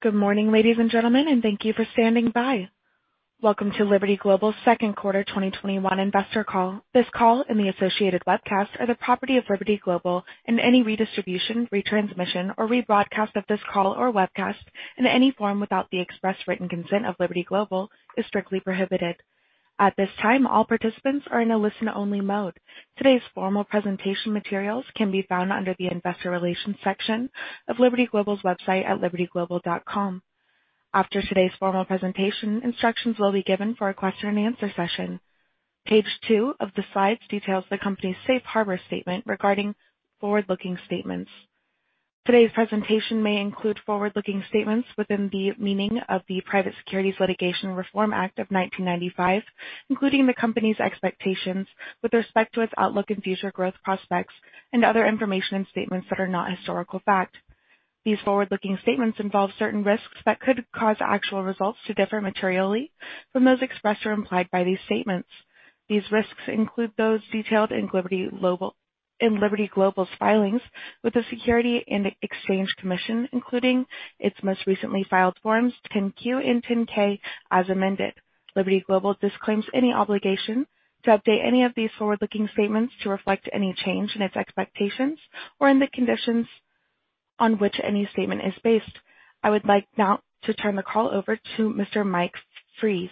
Good morning, ladies and gentlemen, and thank you for standing by. Welcome to Liberty Global second quarter 2021 investor call. This call and the associated webcast are the property of Liberty Global. Any redistribution, retransmission, or rebroadcast of this call or webcast in any form without the express written consent of Liberty Global is strictly prohibited. At this time, all participants are in a listen-only mode. Today's formal presentation materials can be found under the investor relations section of Liberty Global's website at libertyglobal.com. After today's formal presentation, instructions will be given for a question-and-answer session. Page 2 of the slides details the company's safe harbor statement regarding forward-looking statements. Today's presentation may include forward-looking statements within the meaning of the Private Securities Litigation Reform Act of 1995, including the company's expectations with respect to its outlook and future growth prospects and other information and statements that are not historical fact. These forward-looking statements involve certain risks that could cause actual results to differ materially from those expressed or implied by these statements. These risks include those detailed in Liberty Global's filings with the Securities and Exchange Commission, including its most recently filed forms, 10-Q and 10-K as amended. Liberty Global disclaims any obligation to update any of these forward-looking statements to reflect any change in its expectations or in the conditions on which any statement is based. I would like now to turn the call over to Mr. Mike Fries.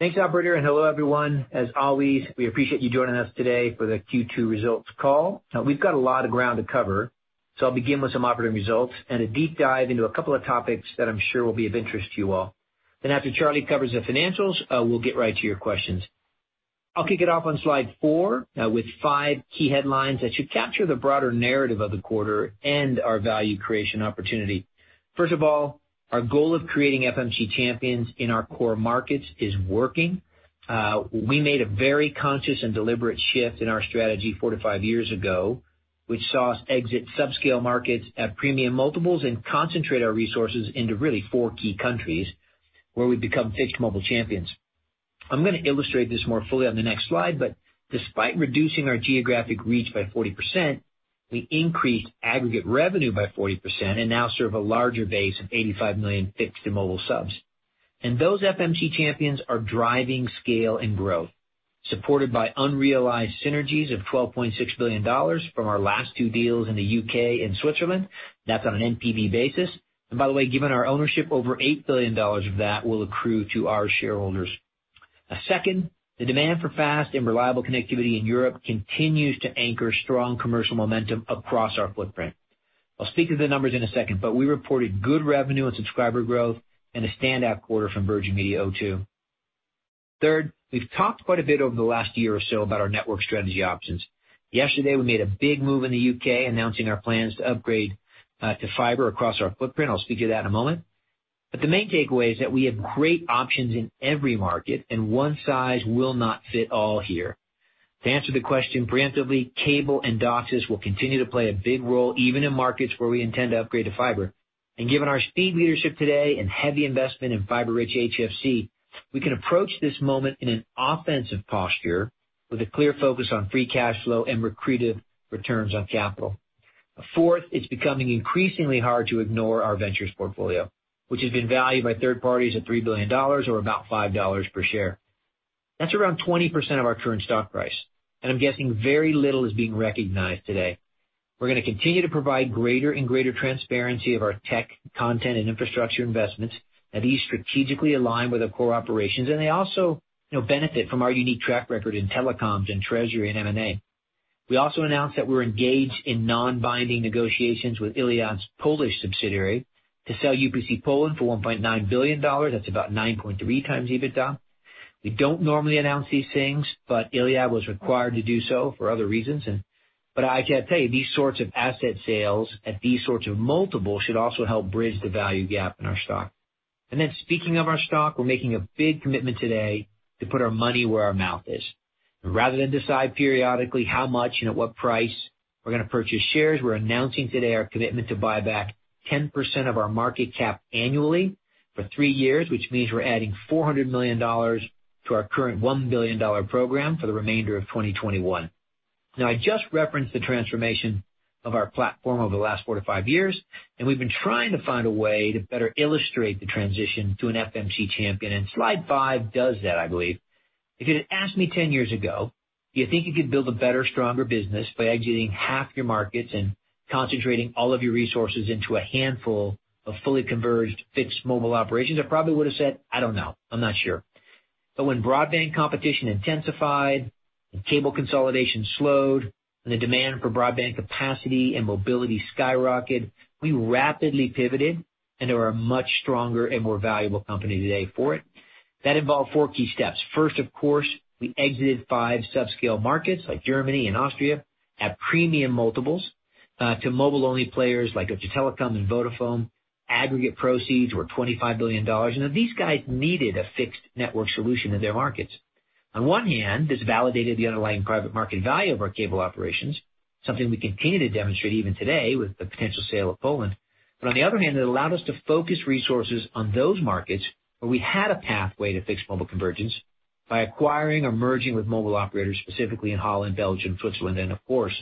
Thanks, operator, and hello, everyone. As always, we appreciate you joining us today for the Q2 results call. We've got a lot of ground to cover, so I'll begin with some operating results and a deep dive into a couple of topics that I'm sure will be of interest to you all. After Charlie covers the financials, we'll get right to your questions. I'll kick it off on slide 4, with five key headlines that should capture the broader narrative of the quarter and our value creation opportunity. First of all, our goal of creating FMC champions in our core markets is working. We made a very conscious and deliberate shift in our strategy four to five years ago, which saw us exit subscale markets at premium multiples and concentrate our resources into really four key countries where we've become fixed mobile champions. I'm gonna illustrate this more fully on the next slide, but despite reducing our geographic reach by 40%, we increased aggregate revenue by 40% and now serve a larger base of 85 million fixed to mobile subs. Those FMC champions are driving scale and growth, supported by unrealized synergies of $12.6 billion from our last two deals in the U.K. and Switzerland. That's on an NPV basis. By the way, given our ownership, over $8 billion of that will accrue to our shareholders. A second, the demand for fast and reliable connectivity in Europe continues to anchor strong commercial momentum across our footprint. I'll speak to the numbers in a second, we reported good revenue and subscriber growth and a standout quarter from Virgin Media O2. Third, we've talked quite a bit over the last year or so about our network strategy options. Yesterday, we made a big move in the U.K., announcing our plans to upgrade to fiber across our footprint. I'll speak to that in a moment. The main takeaway is that we have great options in every market, and one size will not fit all here. To answer the question preemptively, cable and DOCSIS will continue to play a big role even in markets where we intend to upgrade to fiber. Given our speed leadership today and heavy investment in fiber-rich HFC, we can approach this moment in an offensive posture with a clear focus on free cash flow and recreative returns on capital. Fourth, it's becoming increasingly hard to ignore our ventures portfolio, which has been valued by third parties at $3 billion or about $5 per share. That's around 20% of our current stock price, and I'm guessing very little is being recognized today. We're gonna continue to provide greater and greater transparency of our tech, content, and infrastructure investments, and these strategically align with our core operations, and they also, you know, benefit from our unique track record in telecoms and treasury and M&A. We also announced that we're engaged in non-binding negotiations with Iliad's Polish subsidiary to sell UPC Poland for $1.9 billion. That's about 9.3x EBITDA. We don't normally announce these things, but Iliad was required to do so for other reasons. I got to tell you, these sorts of asset sales at these sorts of multiples should also help bridge the value gap in our stock. Speaking of our stock, we're making a big commitment today to put our money where our mouth is. Rather than decide periodically how much, you know, what price we're going to purchase shares, we're announcing today our commitment to buy back 10% of our market cap annually for three years, which means we're adding $400 million to our current $1 billion program for the remainder of 2021. I just referenced the transformation of our platform over the last four to five years, and we've been trying to find a way to better illustrate the transition to an FMC champion. Slide 5 does that, I believe. If you'd asked me 10-years ago, "Do you think you could build a better, stronger business by exiting half your markets and concentrating all of your resources into a handful of fully converged fixed mobile operations?" I probably would've said, "I don't know. I'm not sure." When broadband competition intensified and cable consolidation slowed and the demand for broadband capacity and mobility skyrocketed, we rapidly pivoted and are a much stronger and more valuable company today for it. That involved four key steps. First, of course, we exited five subscale markets like Germany and Austria at premium multiples to mobile-only players like Deutsche Telekom and Vodafone. Aggregate proceeds were $25 billion. You know, these guys needed a fixed network solution in their markets. On one hand, this validated the underlying private market value of our cable operations. Something we continue to demonstrate even today with the potential sale of Poland. On the other hand, it allowed us to focus resources on those markets where we had a pathway to fixed mobile convergence by acquiring or merging with mobile operators, specifically in Holland, Belgium, Switzerland, and of course,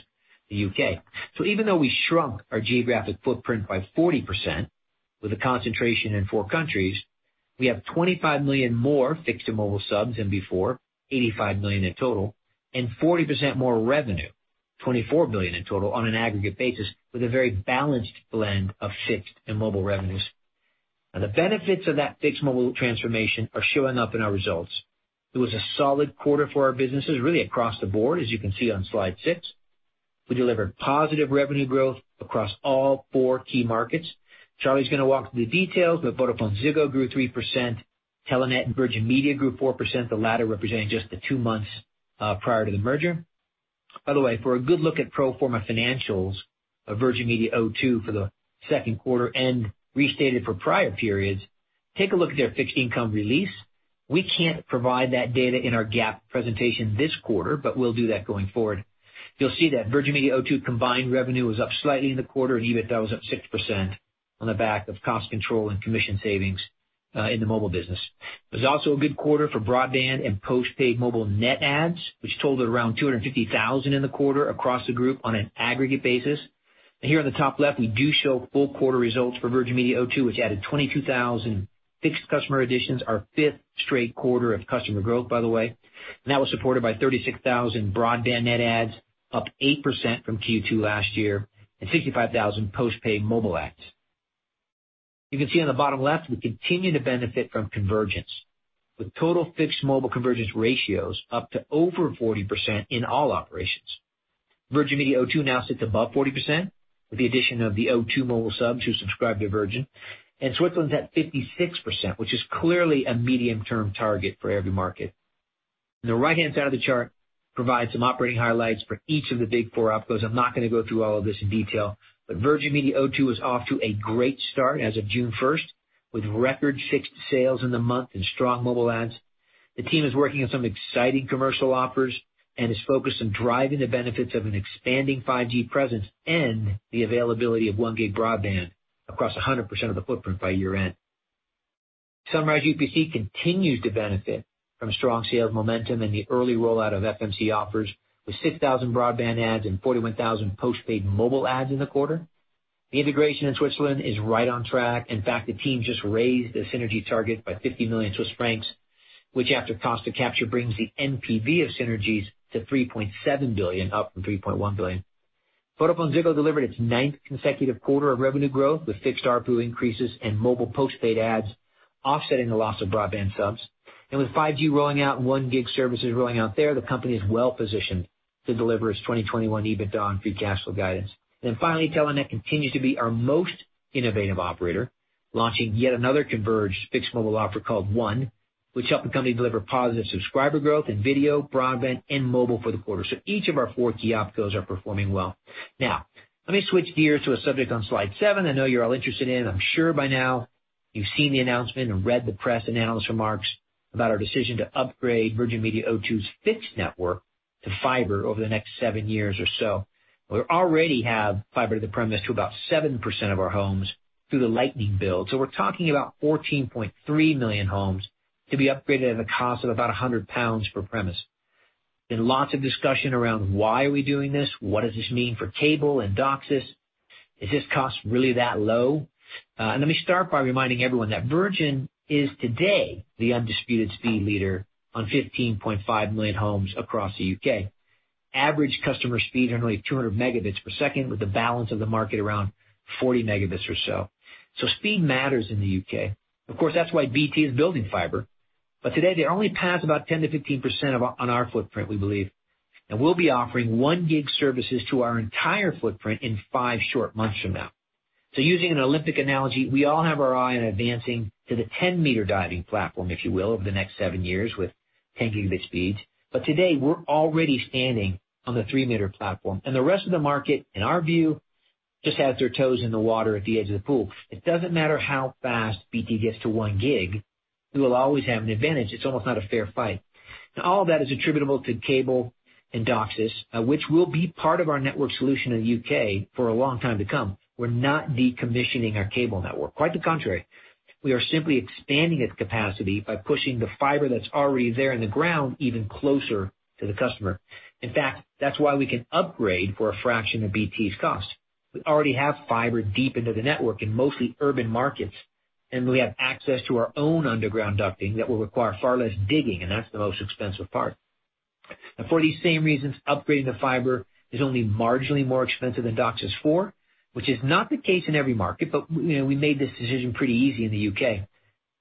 the U.K. Even though we shrunk our geographic footprint by 40% with a concentration in four countries, we have 25 million more fixed to mobile subs than before, 85 million in total, and 40% more revenue, $24 billion in total on an aggregate basis, with a very balanced blend of fixed and mobile revenues. Now, the benefits of that fixed mobile transformation are showing up in our results. It was a solid quarter for our businesses, really across the board, as you can see on slide 6. We delivered positive revenue growth across all four key markets. Charlie's gonna walk through the details. VodafoneZiggo grew 3%, Telenet and Virgin Media grew 4%, the latter representing just the two months prior to the merger. By the way, for a good look at pro forma financials of Virgin Media O2 for the second quarter and restated for prior periods, take a look at their fixed income release. We can't provide that data in our GAAP presentation this quarter. We'll do that going forward. You'll see that Virgin Media O2 combined revenue was up slightly in the quarter, and EBITDA was up 6% on the back of cost control and commission savings in the mobile business. It was also a good quarter for broadband and postpaid mobile net adds, which totaled around 250,000 in the quarter across the group on an aggregate basis. Here on the top left, we do show full quarter results for Virgin Media O2, which added 22,000 fixed customer additions, our fifth straight quarter of customer growth, by the way. That was supported by 36,000 broadband net adds, up 8% from Q2 last year, and 65,000 postpaid mobile adds. You can see on the bottom left, we continue to benefit from convergence, with total fixed mobile convergence ratios up to over 40% in all operations. Virgin Media O2 now sits above 40% with the addition of the O2 mobile subs who subscribed to Virgin. Switzerland's at 56%, which is clearly a medium-term target for every market. The right-hand side of the chart provides some operating highlights for each of the big four opcos. I'm not gonna go through all of this in detail, but Virgin Media O2 is off to a great start as of June first, with record fixed sales in the month and strong mobile adds. The team is working on some exciting commercial offers and is focused on driving the benefits of an expanding 5G presence and the availability of 1 gig broadband across 100% of the footprint by year-end. Sunrise UPC continues to benefit from strong sales momentum and the early rollout of FMC offers with 6,000 broadband adds and 41,000 postpaid mobile adds in the quarter. The integration in Switzerland is right on track. In fact, the team just raised the synergy target by 50 million Swiss francs, which after cost to capture, brings the NPV of synergies to $3.7 billion, up from $3.1 billion. VodafoneZiggo delivered its 9th consecutive quarter of revenue growth, with fixed ARPU increases and mobile postpaid adds offsetting the loss of broadband subs. With 5G rolling out and 1 gig services rolling out there, the company is well positioned to deliver its 2021 EBITDA and free cash flow guidance. Finally, Telenet continues to be our most innovative operator, launching yet another converged fixed mobile offer called ONE, which helped the company deliver positive subscriber growth in video, broadband, and mobile for the quarter. Each of our four key opcos are performing well. Now, let me switch gears to a subject on slide 7 I know you're all interested in. I'm sure by now you've seen the announcement and read the press and analyst remarks about our decision to upgrade Virgin Media O2's fixed network to fiber over the next seven years or so. We already have fiber to the premise to about 7% of our homes through the Project Lightning build. We're talking about 14.3 million homes to be upgraded at a cost of about 100 pounds per premise. There's been lots of discussion around why are we doing this? What does this mean for cable and DOCSIS? Is this cost really that low? Let me start by reminding everyone that Virgin is today the undisputed speed leader on 15.5 million homes across the U.K. Average customer speed generally 200 megabits per second, with the balance of the market around 40 megabits or so. Speed matters in the U.K. That's why BT is building fiber. Today they only pass about 10%-15% on our footprint, we believe. We'll be offering 1 gig services to our entire footprint in five short months from now. Using an Olympic analogy, we all have our eye on advancing to the 10-meter diving platform, if you will, over the next seven years with gigabit speeds. Today, we're already standing on the 3-meter platform, and the rest of the market, in our view, just has their toes in the water at the edge of the pool. It doesn't matter how fast BT gets to 1 gig, we will always have an advantage. It's almost not a fair fight. All that is attributable to cable and DOCSIS, which will be part of our network solution in the U.K. for a long time to come. We're not decommissioning our cable network. Quite the contrary, we are simply expanding its capacity by pushing the fiber that's already there in the ground even closer to the customer. In fact, that's why we can upgrade for a fraction of BT's cost. We already have fiber deep into the network in mostly urban markets, and we have access to our own underground ducting that will require far less digging, and that's the most expensive part. For these same reasons, upgrading to fiber is only marginally more expensive than DOCSIS 4.0, which is not the case in every market, but, you know, we made this decision pretty easy in the U.K.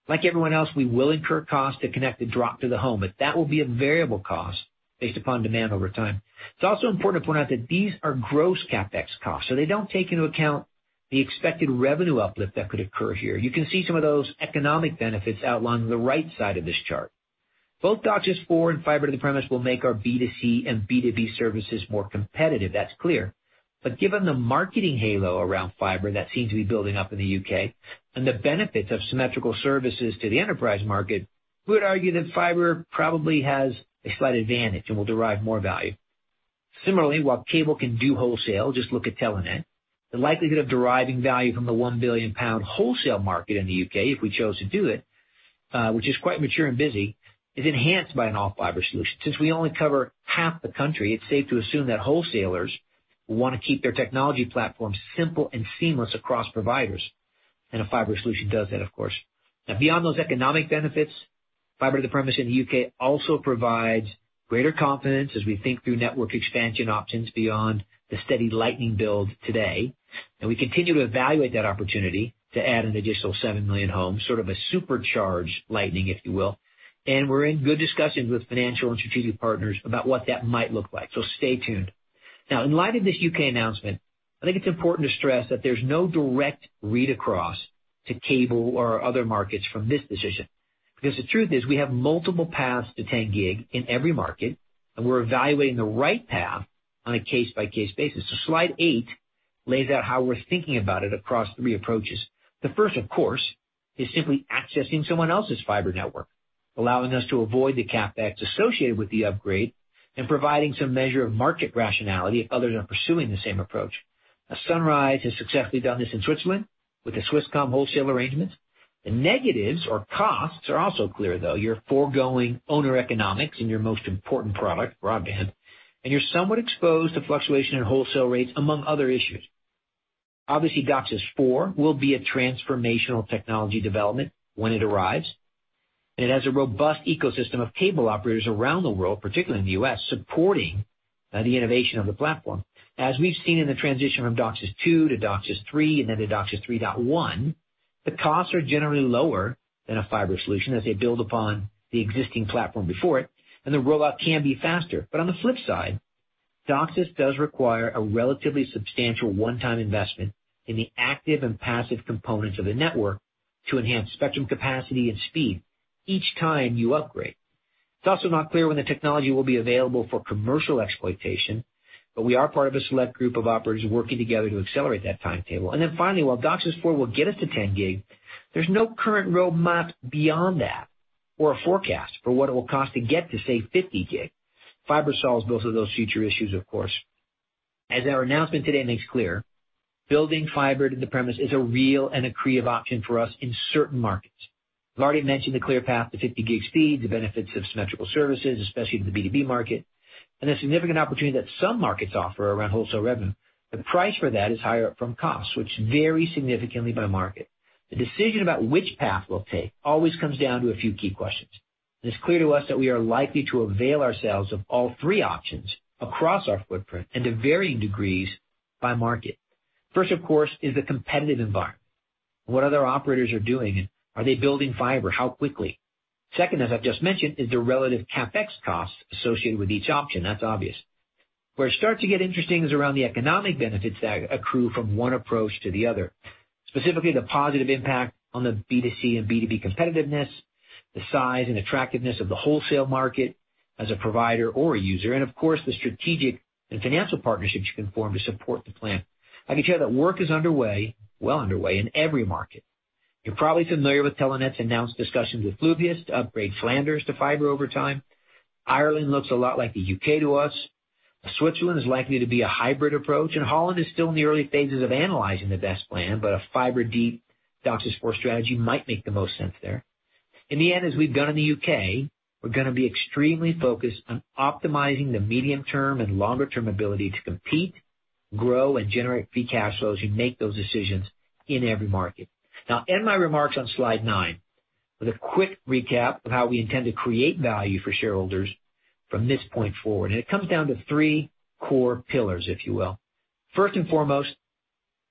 Like everyone else, we will incur costs to connect the drop to the home, but that will be a variable cost based upon demand over time. It is also important to point out that these are gross CapEx costs, so they do not take into account the expected revenue uplift that could occur here. You can see some of those economic benefits outlined on the right side of this chart. Both DOCSIS 4.0 and fiber to the premise will make our B2C and B2B services more competitive. That is clear. Given the marketing halo around fiber that seems to be building up in the U.K. and the benefits of symmetrical services to the enterprise market, we would argue that fiber probably has a slight advantage and will derive more value. Similarly, while cable can do wholesale, just look at Telenet, the likelihood of deriving value from the 1 billion pound wholesale market in the U.K. if we chose to do it, which is quite mature and busy, is enhanced by an all-fiber solution. Since we only cover half the country, it's safe to assume that wholesalers want to keep their technology platforms simple and seamless across providers, and a fiber solution does that, of course. Beyond those economic benefits, fiber to the premise in the U.K. also provides greater confidence as we think through network expansion options beyond the steady Project Lightning build today. We continue to evaluate that opportunity to add an additional 7 million homes, sort of a supercharged Project Lightning, if you will. We're in good discussions with financial and strategic partners about what that might look like. Stay tuned. In light of this U.K. announcement, I think it's important to stress that there's no direct read across to cable or our other markets from this decision, because the truth is we have multiple paths to 10 gig in every market, and we're evaluating the right path on a case-by-case basis. Slide 8 lays out how we're thinking about it across three approaches. The first, of course, is simply accessing someone else's fiber network, allowing us to avoid the CapEx associated with the upgrade and providing some measure of market rationality if others are pursuing the same approach. Sunrise has successfully done this in Switzerland with the Swisscom wholesale arrangement. The negatives or costs are also clear, though. You're foregoing owner economics in your most important product, broadband, and you're somewhat exposed to fluctuation in wholesale rates, among other issues. Obviously, DOCSIS4 will be a transformational technology development when it arrives. It has a robust ecosystem of cable operators around the world, particularly in the U.S., supporting the innovation of the platform. As we've seen in the transition from DOCSIS 2 to DOCSIS 3 and then to DOCSIS 3.1, the costs are generally lower than a fiber solution as they build upon the existing platform before it, and the rollout can be faster. On the flip side, DOCSIS does require a relatively substantial one-time investment in the active and passive components of the network to enhance spectrum capacity and speed each time you upgrade. It's also not clear when the technology will be available for commercial exploitation, but we are part of a select group of operators working together to accelerate that timetable. Then finally, while DOCSIS 4.0 will get us to 10 gig, there's no current roadmap beyond that or a forecast for what it will cost to get to, say, 50 gig. Fiber solves both of those future issues, of course. As our announcement today makes clear, building fiber to the premise is a real and accretive option for us in certain markets. I've already mentioned the clear path to 50 gig speed, the benefits of symmetrical services, especially to the B2B market, and the significant opportunity that some markets offer around wholesale revenue. The price for that is higher from costs, which vary significantly by market. The decision about which path we'll take always comes down to a few key questions. It's clear to us that we are likely to avail ourselves of all three options across our footprint and to varying degrees by market. First, of course, is the competitive environment. What other operators are doing? Are they building fiber? How quickly? Second, as I've just mentioned, is the relative CapEx costs associated with each option. That's obvious. Where it starts to get interesting is around the economic benefits that accrue from one approach to the other, specifically the positive impact on the B2C and B2B competitiveness, the size and attractiveness of the wholesale market as a provider or a user, and of course, the strategic and financial partnerships you can form to support the plan. I can tell you that work is underway, well underway in every market. You're probably familiar with Telenet's announced discussions with Fluvius to upgrade Flanders to fiber over time. Ireland looks a lot like the U.K. to us. Switzerland is likely to be a hybrid approach, and Holland is still in the early phases of analyzing the best plan, but a fiber deep DOCSIS 4.0 strategy might make the most sense there. In the end, as we've done in the U.K., we're going to be extremely focused on optimizing the medium-term and longer-term ability to compete, grow, and generate free cash flows as you make those decisions in every market. Now, I'll end my remarks on slide 9 with a quick recap of how we intend to create value for shareholders from this point forward. It comes down to three core pillars, if you will. First and foremost,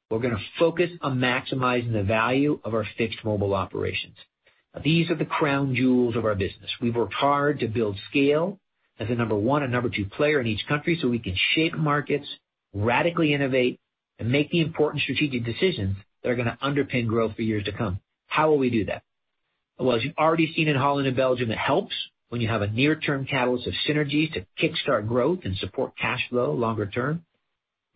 we're going to focus on maximizing the value of our fixed mobile operations. These are the crown jewels of our business. We've worked hard to build scale as a number one and number two player in each country, so we can shape markets, radically innovate, and make the important strategic decisions that are going to underpin growth for years to come. How will we do that? Well, as you've already seen in Holland and Belgium, it helps when you have a near-term catalyst of synergies to kickstart growth and support cash flow longer term.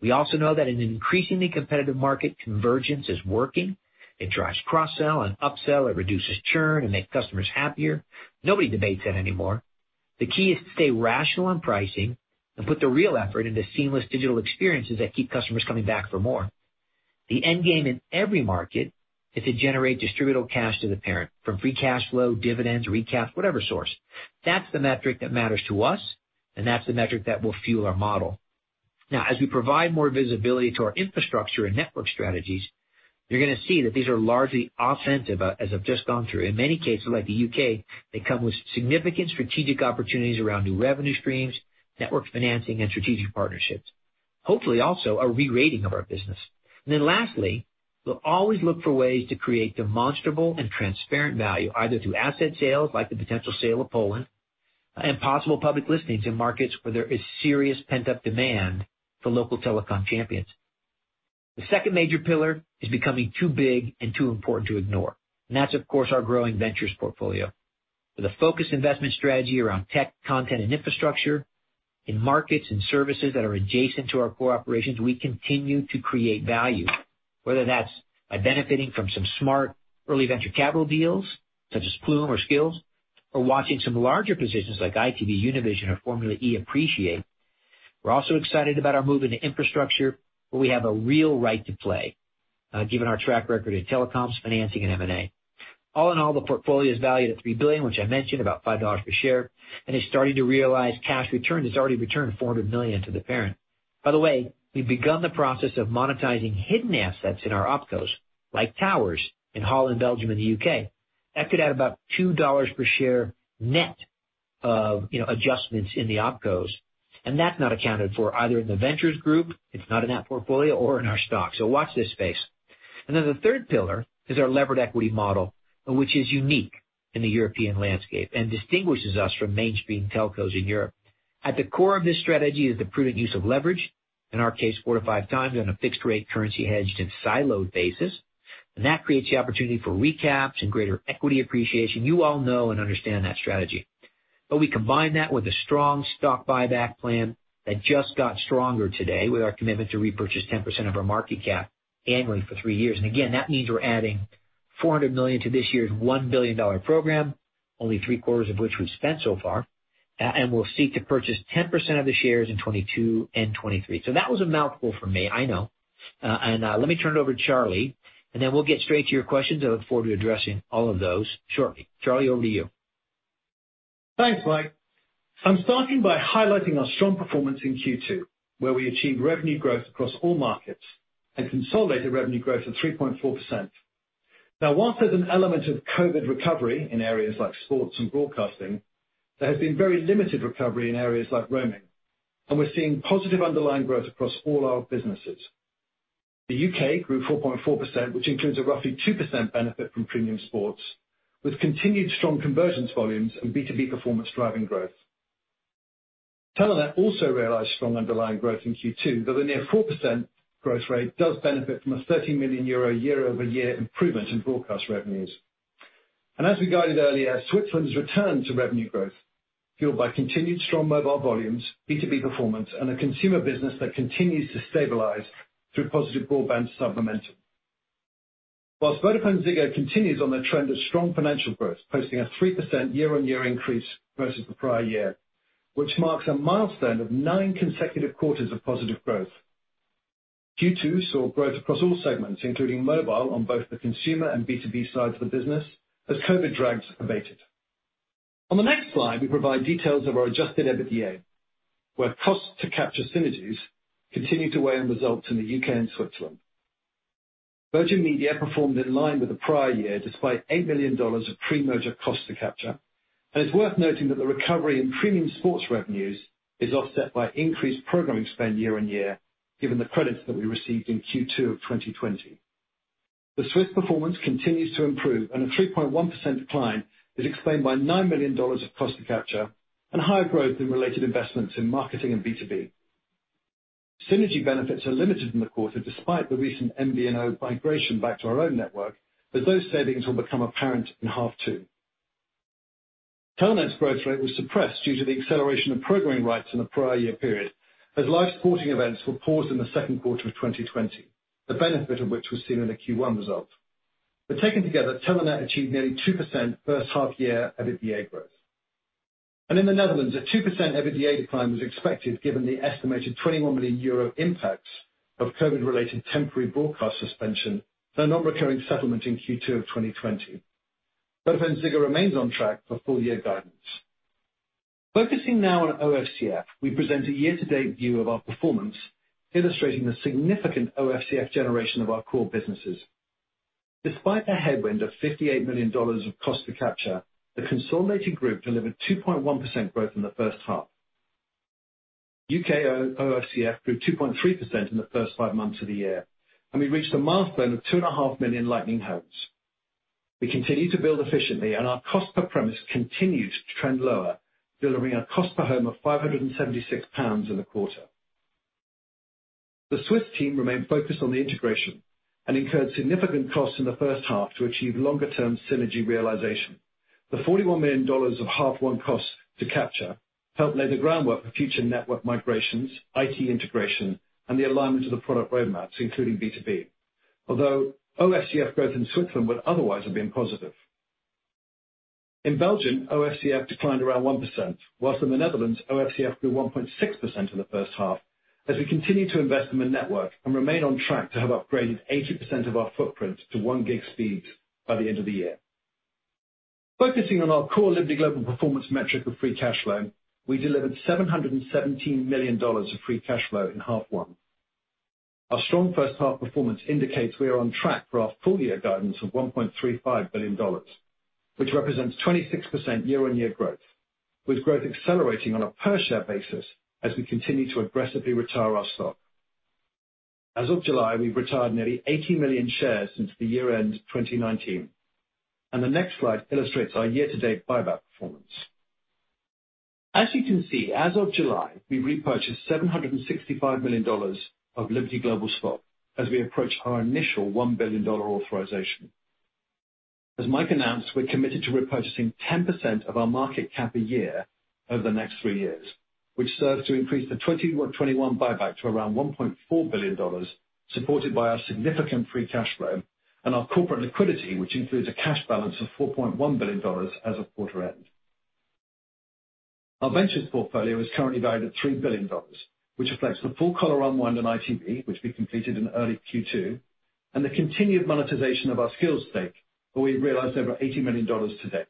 We also know that in an increasingly competitive market, convergence is working. It drives cross-sell and upsell. It reduces churn and make customers happier. Nobody debates that anymore. The key is to stay rational on pricing and put the real effort into seamless digital experiences that keep customers coming back for more. The end game in every market is to generate distributable cash to the parent from free cash flow, dividends, recap, whatever source. That's the metric that matters to us, and that's the metric that will fuel our model. As we provide more visibility to our infrastructure and network strategies, you're going to see that these are largely offensive as I've just gone through. In many cases, like the U.K., they come with significant strategic opportunities around new revenue streams, network financing, and strategic partnerships. Hopefully, also a re-rating of our business. Lastly, we'll always look for ways to create demonstrable and transparent value, either through asset sales like the potential sale of Poland and possible public listings in markets where there is serious pent-up demand for local telecom champions. The second major pillar is becoming too big and too important to ignore. That's of course, our growing ventures portfolio. With a focused investment strategy around tech, content, and infrastructure in markets and services that are adjacent to our core operations, we continue to create value, whether that's by benefiting from some smart early venture capital deals such as Plume or Skillz, or watching some larger positions like ITV, Univision or Formula E appreciate. We're also excited about our move into infrastructure, where we have a real right to play, given our track record in telecoms, financing and M&A. All in all, the portfolio is valued at $3 billion, which I mentioned, about $5 per share, and is starting to realize cash return. It's already returned $400 million to the parent. By the way, we've begun the process of monetizing hidden assets in our opcos like towers in Holland, Belgium, and the U.K. That could add about $2 per share net of, you know, adjustments in the opcos, and that's not accounted for either in the ventures group. It's not in that portfolio or in our stock. Watch this space. Then the third pillar is our levered equity model, which is unique in the European landscape and distinguishes us from mainstream telcos in Europe. At the core of this strategy is the prudent use of leverage. In our case, four to five times on a fixed rate currency hedged and siloed basis. That creates the opportunity for recaps and greater equity appreciation. You all know and understand that strategy. We combine that with a strong stock buyback plan that just got stronger today with our commitment to repurchase 10% of our market cap annually for three years. Again, that means we're adding $400 million to this year's $1 billion program, only three quarters of which we've spent so far. We'll seek to purchase 10% of the shares in 2022 and 2023. That was a mouthful for me, I know. Let me turn it over to Charlie, and then we'll get straight to your questions. I look forward to addressing all of those shortly. Charlie, over to you. Thanks, Mike. I'm starting by highlighting our strong performance in Q2, where we achieved revenue growth across all markets and consolidated revenue growth of 3.4%. Whilst there's an element of COVID recovery in areas like sports and broadcasting, there has been very limited recovery in areas like roaming, and we're seeing positive underlying growth across all our businesses. The U.K. grew 4.4%, which includes a roughly 2% benefit from premium sports, with continued strong convergence volumes and B2B performance driving growth. Telenet also realized strong underlying growth in Q2, though the near 4% growth rate does benefit from a 30 million euro year-over-year improvement in broadcast revenues. As we guided earlier, Switzerland's return to revenue growth, fueled by continued strong mobile volumes, B2B performance, and a consumer business that continues to stabilize through positive broadband sub momentum. Whilst VodafoneZiggo continues on their trend of strong financial growth, posting a 3% year-on-year increase versus the prior year, which marks a milestone of nine consecutive quarters of positive growth. Q2 saw growth across all segments, including mobile on both the consumer and B2B sides of the business, as COVID drags abated. On the next slide, we provide details of our adjusted EBITDA, where cost to capture synergies continued to weigh on results in the U.K. and Switzerland. Virgin Media performed in line with the prior year, despite $8 million of pre-merger cost to capture. It's worth noting that the recovery in premium sports revenues is offset by increased programming spend year-on-year, given the credits that we received in Q2 of 2020. The Swiss performance continues to improve, a 3.1% decline is explained by $9 million of cost to capture and higher growth in related investments in marketing and B2B. Synergy benefits are limited in the quarter, despite the recent MVNO migration back to our own network, but those savings will become apparent in half two. Telenet's growth rate was suppressed due to the acceleration of programming rights in the prior year period, as live sporting events were paused in Q2 of 2020, the benefit of which was seen in the Q1 results. Taken together, Telenet achieved nearly 2% first half-year EBITDA growth. In the Netherlands, a 2% EBITDA decline was expected given the estimated 21 million euro impact of COVID-related temporary broadcast suspension and a non-recurring settlement in Q2 of 2020. VodafoneZiggo remains on track for full-year guidance. Focusing now on OFCF, we present a year-to-date view of our performance, illustrating the significant OFCF generation of our core businesses. Despite a headwind of $58 million of cost to capture, the consolidated group delivered 2.1% growth in the first half. U.K. OFCF grew 2.3% in the first five months of the year, and we reached a milestone of 2.5 million Lightning homes. We continue to build efficiently, and our cost per premise continues to trend lower, delivering a cost per home of 576 pounds in the quarter. The Swiss team remained focused on the integration and incurred significant costs in the first half to achieve longer term synergy realization. The $41 million of half 1 costs to capture helped lay the groundwork for future network migrations, IT integration, and the alignment of the product roadmaps, including B2B. Although OFCF growth in Switzerland would otherwise have been positive. In Belgium, OFCF declined around 1%, whilst in the Netherlands, OFCF grew 1.6% in the first half as we continue to invest in the network and remain on track to have upgraded 80% of our footprint to 1 gig speeds by the end of the year. Focusing on our core Liberty Global performance metric of free cash flow, we delivered $717 million of free cash flow in half one. Our strong first half performance indicates we are on track for our full year guidance of $1.35 billion, which represents 26% year-over-year growth, with growth accelerating on a per-share basis as we continue to aggressively retire our stock. As of July, we've retired nearly 80 million shares since the year-end 2019, the next slide illustrates our year-to-date buyback performance. As you can see, as of July, we've repurchased $765 million of Liberty Global stock as we approach our initial $1 billion authorization. As Mike announced, we're committed to repurchasing 10% of our market cap a year over the next three years, which serves to increase the 2021 buyback to around $1.4 billion, supported by our significant free cash flow and our corporate liquidity, which includes a cash balance of $4.1 billion as of quarter-end. Our ventures portfolio is currently valued at $3 billion, which reflects the full collar unwind in ITV, which we completed in early Q2, and the continued monetization of our Skillz stake, where we've realized over $80 million to date.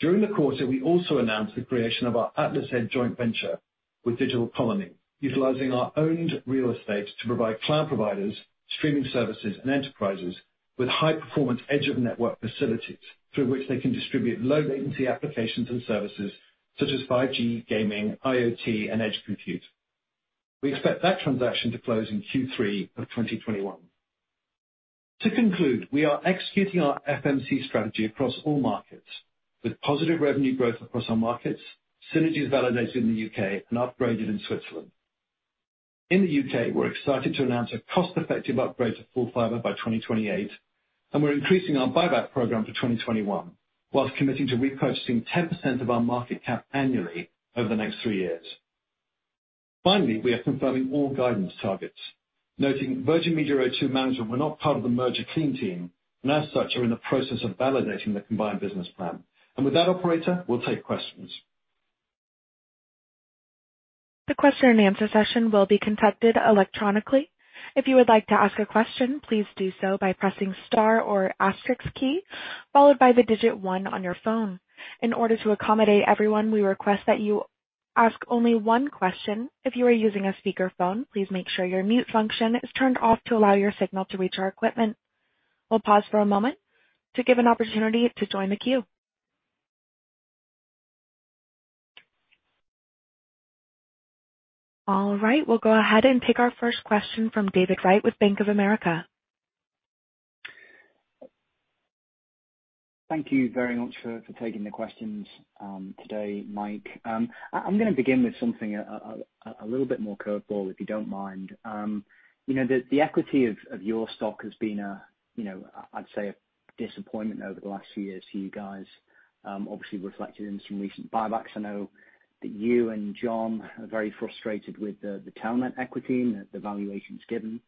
During the quarter, we also announced the creation of our AtlasEdge joint venture with DigitalBridge, utilizing our owned real estate to provide cloud providers, streaming services, and enterprises with high performance edge of network facilities through which they can distribute low latency applications and services such as 5G, gaming, IoT, and edge compute. We expect that transaction to close in Q3 of 2021. We are executing our FMC strategy across all markets with positive revenue growth across our markets, synergies validated in the U.K. and upgraded in Switzerland. In the U.K., we're excited to announce a cost-effective upgrade to full fiber by 2028, and we're increasing our buyback program to 2021, whilst committing to repurchasing 10% of our market cap annually over the next three years. Finally, we are confirming all guidance targets, noting Virgin Media O2 management were not part of the merger clean team, and as such, are in the process of validating the combined business plan. With that, operator, we'll take questions. The question-and-answer session will be conducted electronically, if you would like to ask please do so by pressing star or asterisk key followed by the digit one on your phone. In order to accommodate everyone, we will request that you ask only one question if you are using a speaker phone, please make sure mute function in turn off to allow your signal to reach our equipment. We will pause for a moment to give an opportunity to join the queue. All right, we'll go ahead and take our first question from David Wright with Bank of America. Thank you very much for taking the questions today, Mike. I'm gonna begin with something a little bit more curveball, if you don't mind. You know, the equity of your stock has been a disappointment over the last few years for you guys, obviously reflected in some recent buybacks. I know that you and John are very frustrated with the Telenet equity and the valuations given.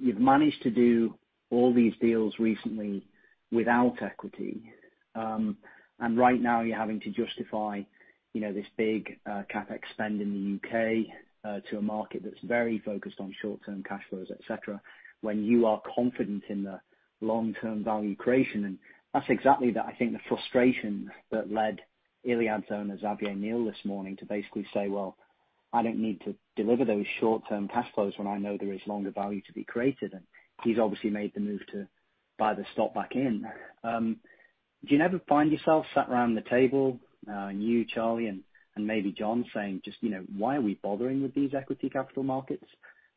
You've managed to do all these deals recently without equity. Right now you're having to justify, you know, this big CapEx spend in the U.K. to a market that's very focused on short-term cash flows, et cetera, when you are confident in the long-term value creation. That's exactly the, I think the frustration that led Iliad's owner, Xavier Niel, this morning to basically say, "Well, I don't need to deliver those short-term cash flows when I know there is longer value to be created." Do you never find yourself sat around the table, you, Charlie, and maybe John saying just, you know, "Why are we bothering with these equity capital markets?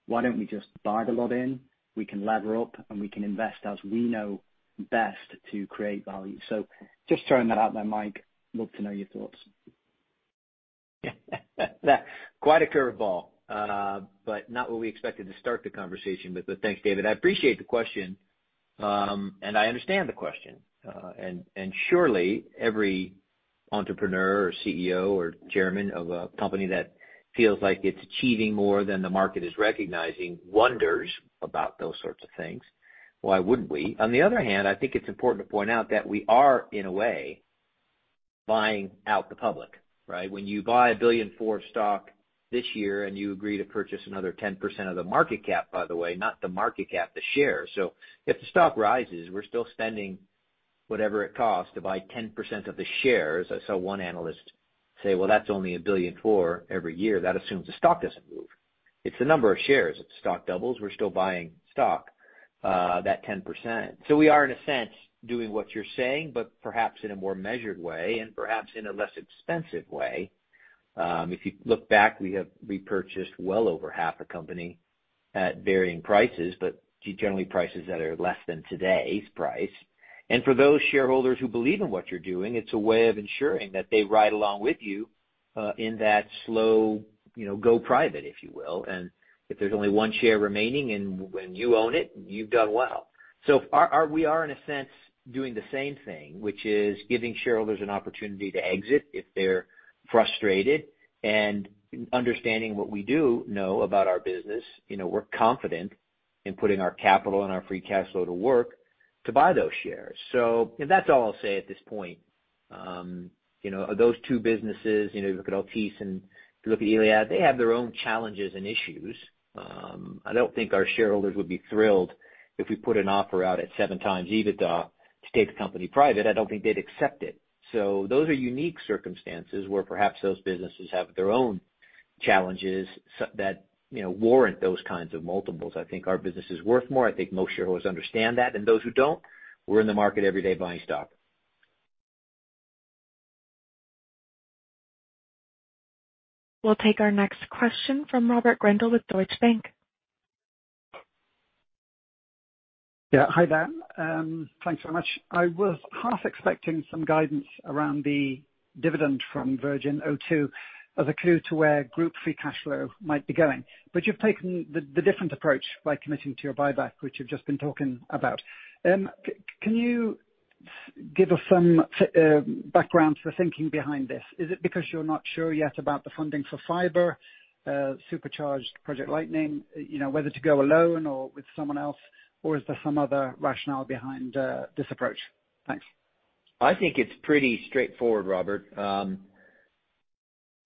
Why don't we just buy the lot in? We can lever up, and we can invest as we know best to create value." Just throwing that out there, Mike. Love to know your thoughts. Quite a curveball, not what we expected to start the conversation. Thanks, David. I appreciate the question, I understand the question. Surely every entrepreneur or CEO or chairman of a company that feels like it's achieving more than the market is recognizing wonders about those sorts of things. Why wouldn't we? On the other hand, I think it's important to point out that we are, in a way, buying out the public, right? When you buy a $1.4 billion stock this year and you agree to purchase another 10% of the market cap, by the way, not the market cap, the shares. If the stock rises, we're still spending whatever it costs to buy 10% of the shares. I saw one analyst say, well, that's only $1.4 billion every year. That assumes the stock doesn't move. It's the number of shares. If the stock doubles, we're still buying stock, that 10%. We are, in a sense, doing what you're saying, but perhaps in a more measured way and perhaps in a less expensive way. If you look back, we have repurchased well over half a company at varying prices, but generally prices that are less than today's price. For those shareholders who believe in what you're doing, it's a way of ensuring that they ride along with you, in that slow, you know, go private, if you will. If there's only one share remaining and when you own it, you've done well. We are in a sense doing the same thing, which is giving shareholders an opportunity to exit if they're frustrated and understanding what we do know about our business. You know, we're confident in putting our capital and our free cash flow to work to buy those shares. That's all I'll say at this point. You know, those two businesses, you know, you look at Altice and you look at Iliad, they have their own challenges and issues. I don't think our shareholders would be thrilled if we put an offer out at 7x EBITDA to take the company private. I don't think they'd accept it. Those are unique circumstances where perhaps those businesses have their own challenges that, you know, warrant those kinds of multiples. I think our business is worth more. I think most shareholders understand that. Those who don't, we're in the market every day buying stock. We'll take our next question from Robert Grindle with Deutsche Bank. Yeah. Hi there. Thanks so much. I was half expecting some guidance around the dividend from Virgin O2 as a clue to where group free cash flow might be going. You've taken the different approach by committing to your buyback, which you've just been talking about. Can you give us some background to the thinking behind this? Is it because you're not sure yet about the funding for fiber, supercharged Project Lightning, you know, whether to go alone or with someone else, or is there some other rationale behind this approach? Thanks. I think it's pretty straightforward, Robert.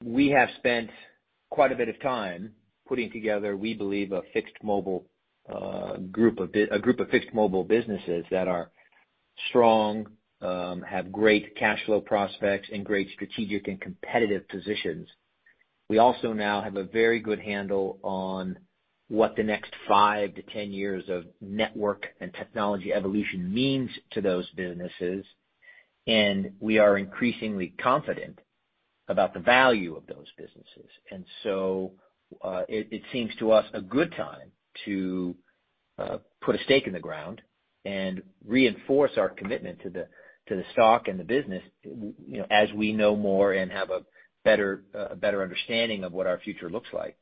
We have spent quite a bit of time putting together, we believe, a fixed mobile group of fixed mobile businesses that are strong, have great cash flow prospects and great strategic and competitive positions. We also now have a very good handle on what the next five to 10-years of network and technology evolution means to those businesses, and we are increasingly confident about the value of those businesses. It seems to us a good time to put a stake in the ground and reinforce our commitment to the stock and the business, you know, as we know more and have a better understanding of what our future looks like.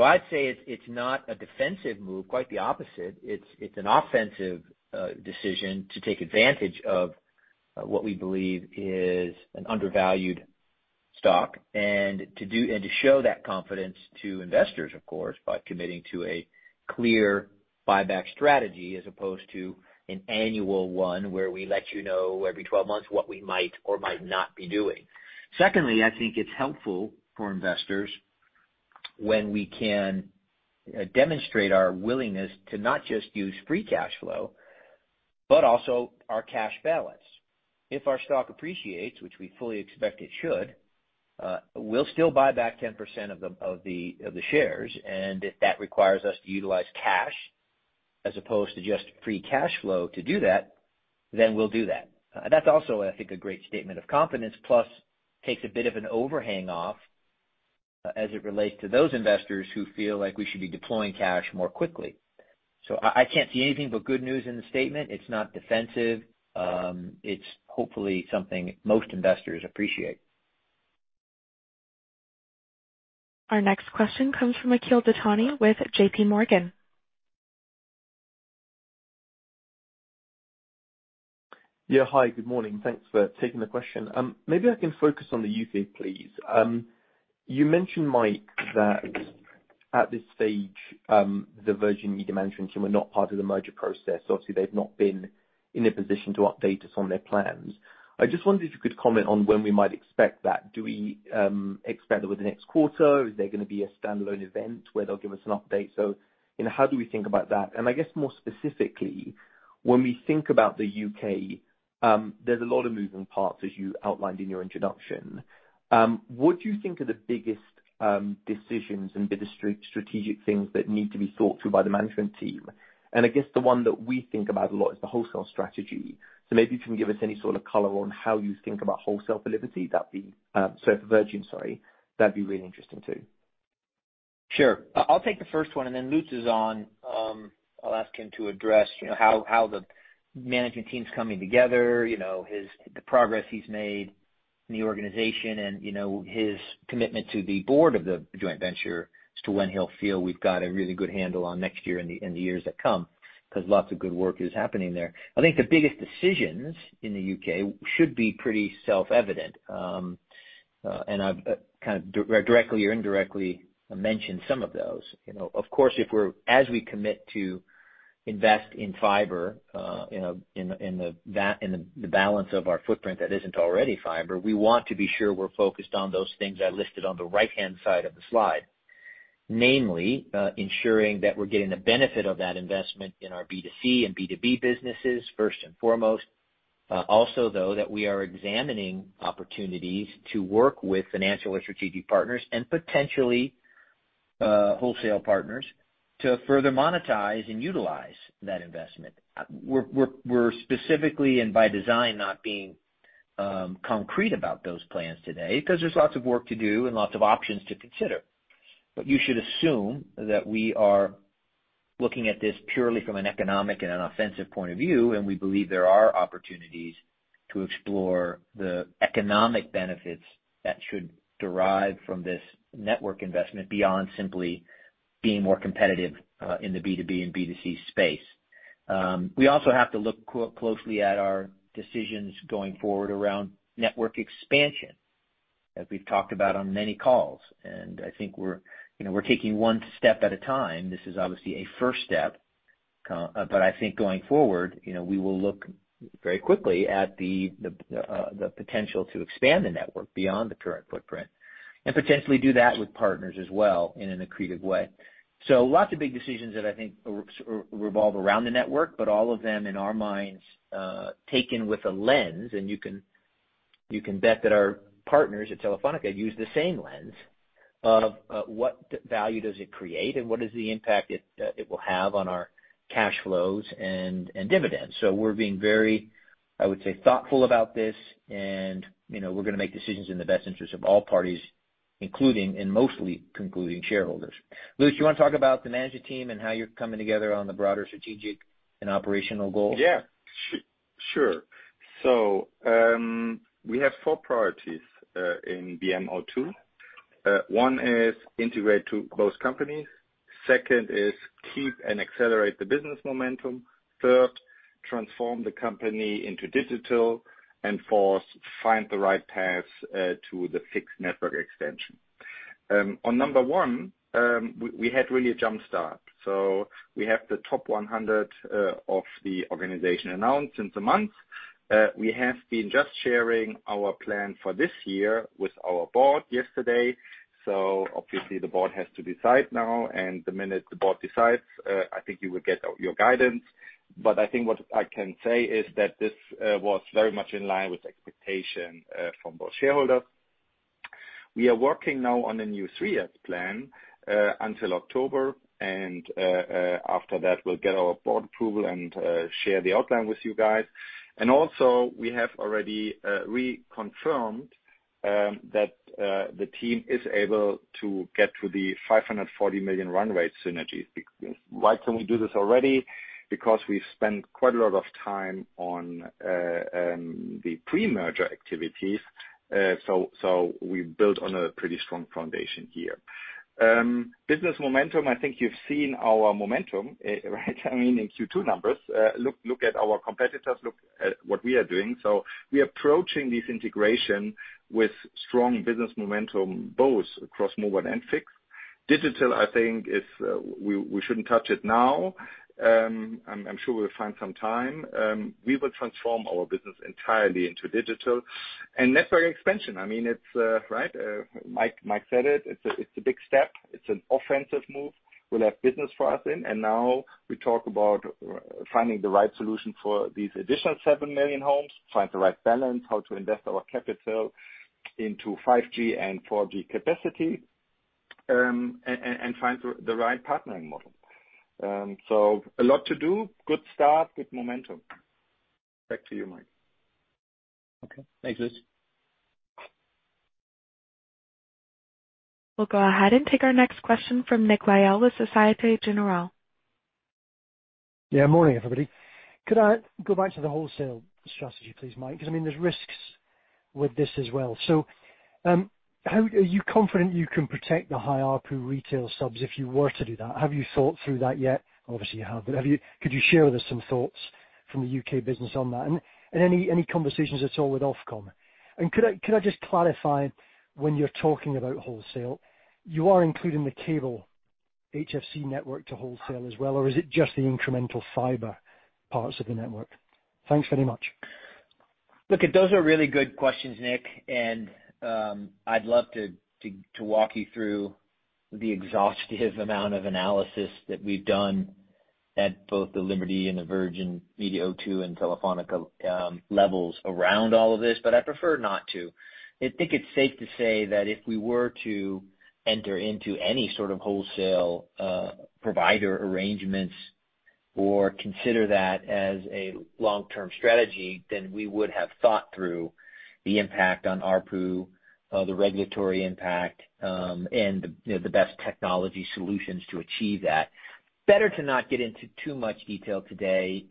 I'd say it's not a defensive move, quite the opposite. It's an offensive decision to take advantage of what we believe is an undervalued stock and to show that confidence to investors, of course, by committing to a clear buyback strategy as opposed to an annual one, where we let you know every 12-months what we might or might not be doing. Secondly, I think it's helpful for investors when we can demonstrate our willingness to not just use free cash flow, but also our cash balance. If our stock appreciates, which we fully expect it should, we'll still buy back 10% of the shares, and if that requires us to utilize cash as opposed to just free cash flow to do that, then we'll do that. That's also, I think, a great statement of confidence, plus takes a bit of an overhang off as it relates to those investors who feel like we should be deploying cash more quickly. I can't see anything but good news in the statement. It's not defensive. It's hopefully something most investors appreciate. Our next question comes from Akhil Dattani with JPMorgan. Yeah, hi, good morning. Thanks for taking the question. Maybe I can focus on the U.K., please. You mentioned, Mike, that at this stage, the Virgin Media management team are not part of the merger process. Obviously, they've not been in a position to update us on their plans. I just wondered if you could comment on when we might expect that. Do we expect over the next quarter? Is there gonna be a standalone event where they'll give us an update? You know, how do we think about that? I guess more specifically, when we think about the U.K., there's a lot of moving parts, as you outlined in your introduction. What do you think are the biggest decisions and the strategic things that need to be thought through by the management team? I guess the one that we think about a lot is the wholesale strategy. Maybe if you can give us any sort of color on how you think about wholesale for Liberty, that'd be, sorry, for Virgin. That'd be really interesting, too. Sure. I'll take the first one. Lutz is on. I'll ask him to address, you know, how the management team's coming together, you know, the progress he's made in the organization and, you know, his commitment to the board of the joint venture as to when he'll feel we've got a really good handle on next year and the years that come, 'cause lots of good work is happening there. I think the biggest decisions in the U.K. should be pretty self-evident. I've kind of directly or indirectly mentioned some of those. You know, as we commit to invest in fiber, you know, in the balance of our footprint that isn't already fiber, we want to be sure we're focused on those things I listed on the right-hand side of the slide. Namely, ensuring that we're getting the benefit of that investment in our B2C and B2B businesses first and foremost. Also, though, that we are examining opportunities to work with financial or strategic partners and potentially, wholesale partners to further monetize and utilize that investment. We're specifically and by design not being concrete about those plans today because there's lots of work to do and lots of options to consider. You should assume that we are looking at this purely from an economic and an offensive point of view, and we believe there are opportunities to explore the economic benefits that should derive from this network investment beyond simply being more competitive in the B2B and B2C space. We also have to look closely at our decisions going forward around network expansion, as we've talked about on many calls. I think we're, you know, we're taking one step at a time. This is obviously a first step. I think going forward, you know, we will look very quickly at the potential to expand the network beyond the current footprint and potentially do that with partners as well in an accretive way. Lots of big decisions that I think revolve around the network, but all of them, in our minds, taken with a lens, and you can, you can bet that our partners at Telefónica use the same lens of, what value does it create and what is the impact it will have on our cash flows and dividends. We're being very, I would say, thoughtful about this and, you know, we're gonna make decisions in the best interest of all parties, including and mostly concluding shareholders. Lutz, you want to talk about the management team and how you're coming together on the broader strategic and operational goals? Sure. We have four priorities in VM O2. One is integrate to both companies. Second is keep and accelerate the business momentum. Third, transform the company into digital. Fourth, find the right path to the fixed network extension. On number one, we had really a jump-start. We have the top 100 of the organization announced since one month. We have been just sharing our plan for this year with our board yesterday. Obviously, the board has to decide now, and the minute the board decides, I think you will get your guidance. I think what I can say is that this was very much in line with expectation from both shareholders. We are working now on a new three year plan until October. After that, we'll get our board approval and share the outline with you guys. Also, we have already reconfirmed that the team is able to get to the $540 million run-rate synergies. Why can we do this already? Because we've spent quite a lot of time on the pre-merger activities. We build on a pretty strong foundation here. Business momentum, I think you've seen our momentum, right? I mean, in Q2 numbers. Look at our competitors, look at what we are doing. We are approaching this integration with strong business momentum, both across mobile and fixed. Digital, I think is, we shouldn't touch it now. I'm sure we'll find some time. We will transform our business entirely into digital. Network expansion, I mean, it's right? Mike said it. It's a big step. It's an offensive move. We'll have business for us in. Now we talk about finding the right solution for these additional 7 million homes, find the right balance, how to invest our capital into 5G and 4G capacity, and find the right partnering model. A lot to do. Good start. Good momentum. Back to you, Mike. Okay. Thanks, Lutz. We'll go ahead and take our next question from Nick Lyall with Societe Generale. Yeah. Morning, everybody. Could I go back to the wholesale strategy, please, Mike? 'Cause I mean, there's risks with this as well. How are you confident you can protect the high ARPU retail subs if you were to do that? Have you thought through that yet? Obviously, you have, but could you share with us some thoughts from the U.K. business on that? Any conversations at all with Ofcom? Could I just clarify, when you're talking about wholesale, you are including the cable HFC network to wholesale as well, or is it just the incremental fiber parts of the network? Thanks very much. Look, those are really good questions, Nick. I'd love to walk you through the exhaustive amount of analysis that we've done at both the Liberty Global and the Virgin Media O2 and Telefónica levels around all of this, but I prefer not to. I think it's safe to say that if we were to enter into any sort of wholesale provider arrangements or consider that as a long-term strategy, then we would have thought through the impact on ARPU, the regulatory impact, and, you know, the best technology solutions to achieve that. Better to not get into too much detail today.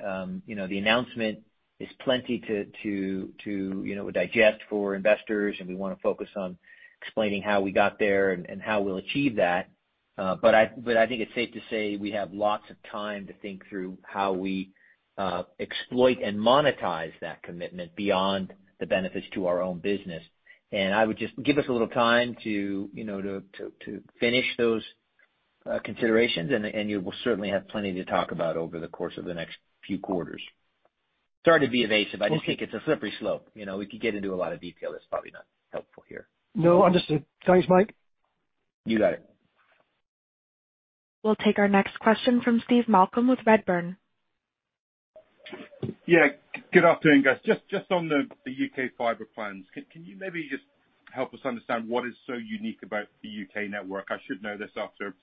You know, the announcement is plenty to digest for investors, and we wanna focus on explaining how we got there and how we'll achieve that. I think it's safe to say we have lots of time to think through how we exploit and monetize that commitment beyond the benefits to our own business. I would just give us a little time to, you know, to finish those considerations, and you will certainly have plenty to talk about over the course of the next few quarters. Sorry to be evasive. Okay. I just think it's a slippery slope. You know, we could get into a lot of detail that's probably not helpful here. No, understood. Thanks, Mike. You got it. We'll take our next question from Steve Malcolm with Redburn. Yeah. Good afternoon, guys. Just on the U.K. fiber plans. Can you maybe just help us understand what is so unique about the U.K. network? I should know this after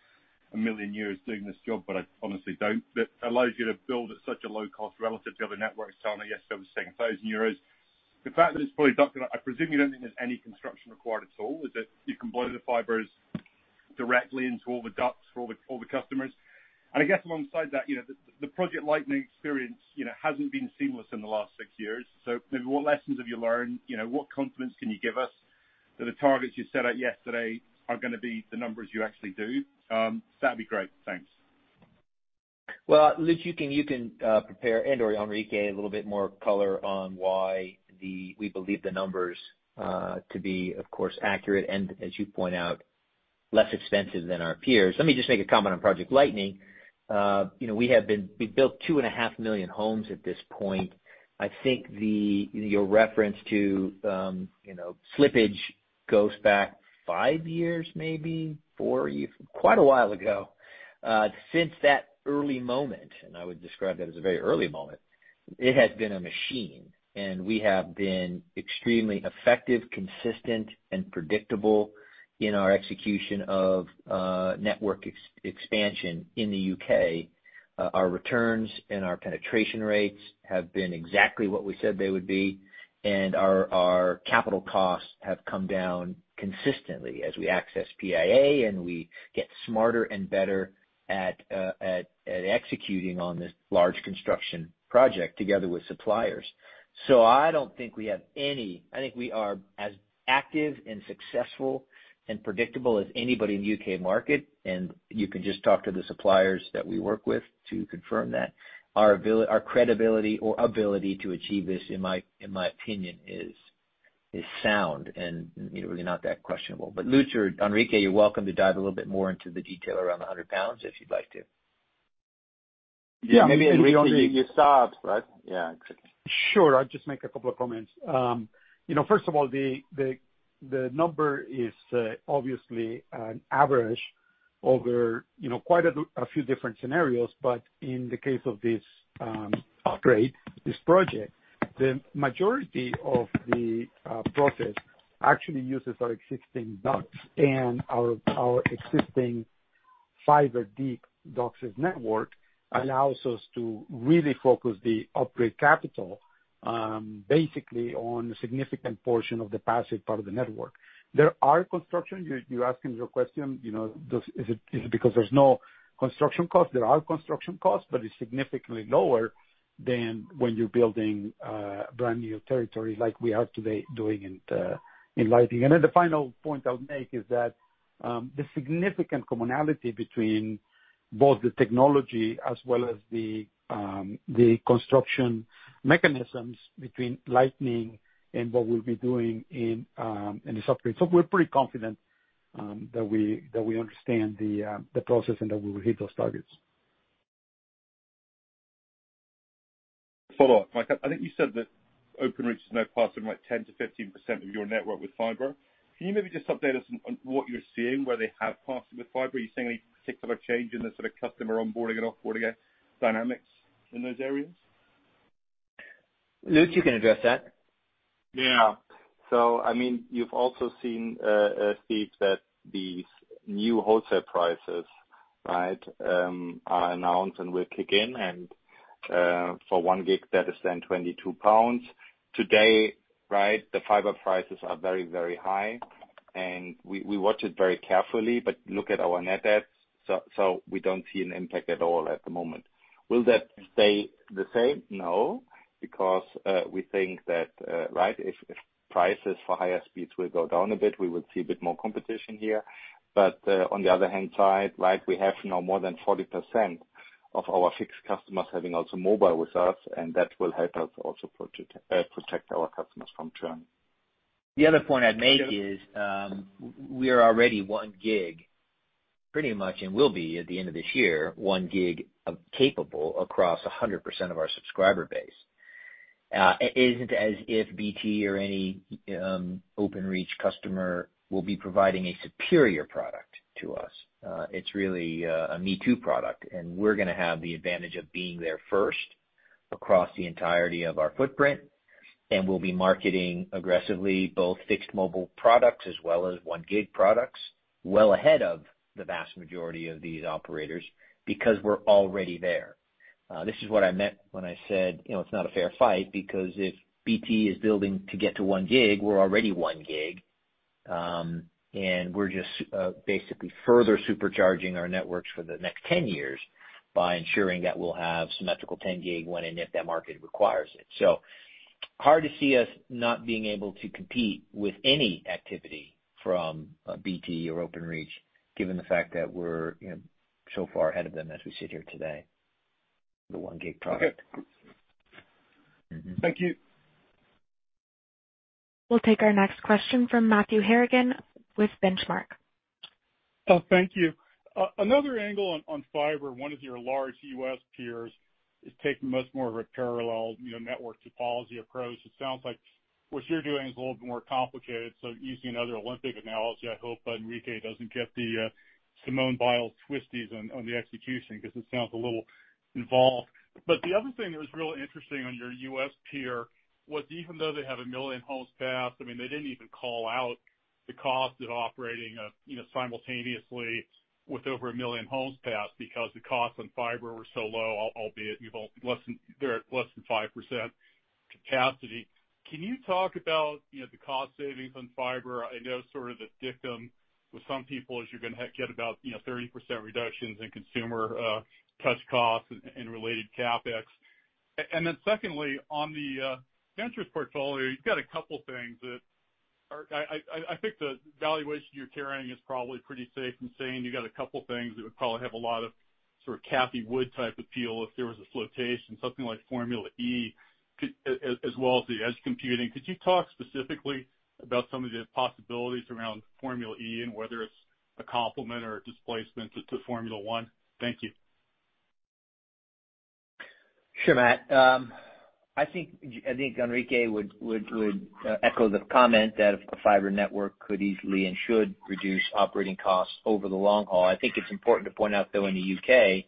a million years doing this job, I honestly don't. That allows you to build at such a low cost relative to other networks, Telenet yesterday it was 7,000 euros. The fact that it's probably ducting, I presume you don't think there's any construction required at all. Is it you can blow the fibers directly into all the ducts for all the customers? I guess alongside that, you know, the Project Lightning experience, you know, hasn't been seamless in the last six years. Maybe what lessons have you learned? You know, what confidence can you give us that the targets you set out yesterday are gonna be the numbers you actually do? That'd be great. Thanks. Well, Lutz, you can prepare, and/or Enrique, a little bit more color on why we believe the numbers to be, of course, accurate and, as you point out, less expensive than our peers. Let me just make a comment on Project Lightning. You know, we built 2.5 million homes at this point. I think the, your reference to, you know, slippage goes back five years, maybe four. Quite a while ago. Since that early moment, I would describe that as a very early moment, it has been a machine. We have been extremely effective, consistent, and predictable in our execution of network expansion in the U.K. Our returns and our penetration rates have been exactly what we said they would be. Our capital costs have come down consistently as we access PIA and we get smarter and better at executing on this large construction project together with suppliers. I think we are as active and successful and predictable as anybody in the U.K. market. You can just talk to the suppliers that we work with to confirm that. Our credibility or ability to achieve this, in my opinion, is sound and, you know, really not that questionable. Lutz or Enrique, you're welcome to dive a little bit more into the detail around the 100 pounds if you'd like to. Yeah. Yeah. Maybe you start, right? Yeah, exactly. Sure. I'll just make a couple of comments. First of all, the number is obviously an average over quite a few different scenarios. In the case of this upgrade, this project, the majority of the process actually uses our existing DOCSIS and our existing fiber deep DOCSIS network allows us to really focus the upgrade capital basically on a significant portion of the passive part of the network. There are construction. You're asking your question, is it because there's no construction costs? There are construction costs, it's significantly lower than when you're building brand new territory like we are today doing in Lightning. Then the final point I'll make is that the significant commonality between both the technology as well as the construction mechanisms between Lightning and what we'll be doing in the software. We're pretty confident that we understand the process and that we will hit those targets. Follow-up. Like, I think you said that Openreach is now passing like 10%-15% of your network with fiber. Can you maybe just update us on what you're seeing where they have passed with fiber? Are you seeing any particular change in the sort of customer onboarding and offboarding dynamics in those areas? Lutz, you can address that. I mean, you've also seen, Steve, that these new wholesale prices, right, are announced and will kick in. For 1 gig that is then 22 pounds. Today, right, the fiber prices are very, very high, and we watch it very carefully, but look at our net adds. We don't see an impact at all at the moment. Will that stay the same? No, because we think that, right, if prices for higher speeds will go down a bit, we will see a bit more competition here. On the other hand side, right, we have now more than 40% of our fixed customers having also mobile with us, and that will help us also protect our customers from churn. The other point I'd make is, we are already 1 gig pretty much, and will be at the end of this year, 1 gig capable across 100% of our subscriber base. It isn't as if BT or any Openreach customer will be providing a superior product to us. It's really a me-too product, and we're gonna have the advantage of being there first across the entirety of our footprint. We'll be marketing aggressively both fixed mobile products as well as 1 gig products well ahead of the vast majority of these operators because we're already there. This is what I meant when I said, you know, it's not a fair fight because if BT is building to get to 1 gig, we're already 1 gig. We're just basically further supercharging our networks for the next 10-years by ensuring that we'll have symmetrical 10 gig when and if that market requires it. Hard to see us not being able to compete with any activity from BT or Openreach, given the fact that we're, you know, so far ahead of them as we sit here today with the 1 gig product. Okay. Thank you. We'll take our next question from Matthew Harrigan with Benchmark. Thank you. Another angle on fiber, one of your large U.S. peers is taking much more of a parallel, you know, network topology approach. It sounds like what you're doing is a little bit more complicated. Using another Olympic analogy, I hope Enrique doesn't get the Simone Biles twisties on the execution because it sounds a little involved. The other thing that was real interesting on your U.S. peer was even though they have 1 million homes passed, I mean, they didn't even call out the cost of operating, you know, simultaneously with over 1 million homes passed because the costs on fiber were so low, albeit they're at less than 5% capacity. Can you talk about, you know, the cost savings on fiber? I know sort of the dictum with some people is you're gonna get about, you know, 30% reductions in consumer touch costs and related CapEx. Then secondly, on the ventures portfolio, you've got a couple things that I think the valuation you're carrying is probably pretty safe and sane. You got a couple things that would probably have a lot of sort of Cathie Wood type appeal if there was a flotation, something like Formula E, as well as the edge computing. Could you talk specifically about some of the possibilities around Formula E and whether it's a complement or a displacement to Formula 1? Thank you. Sure, Matt. I think Enrique would echo the comment that a fiber network could easily and should reduce operating costs over the long haul. I think it's important to point out, though, in the U.K.,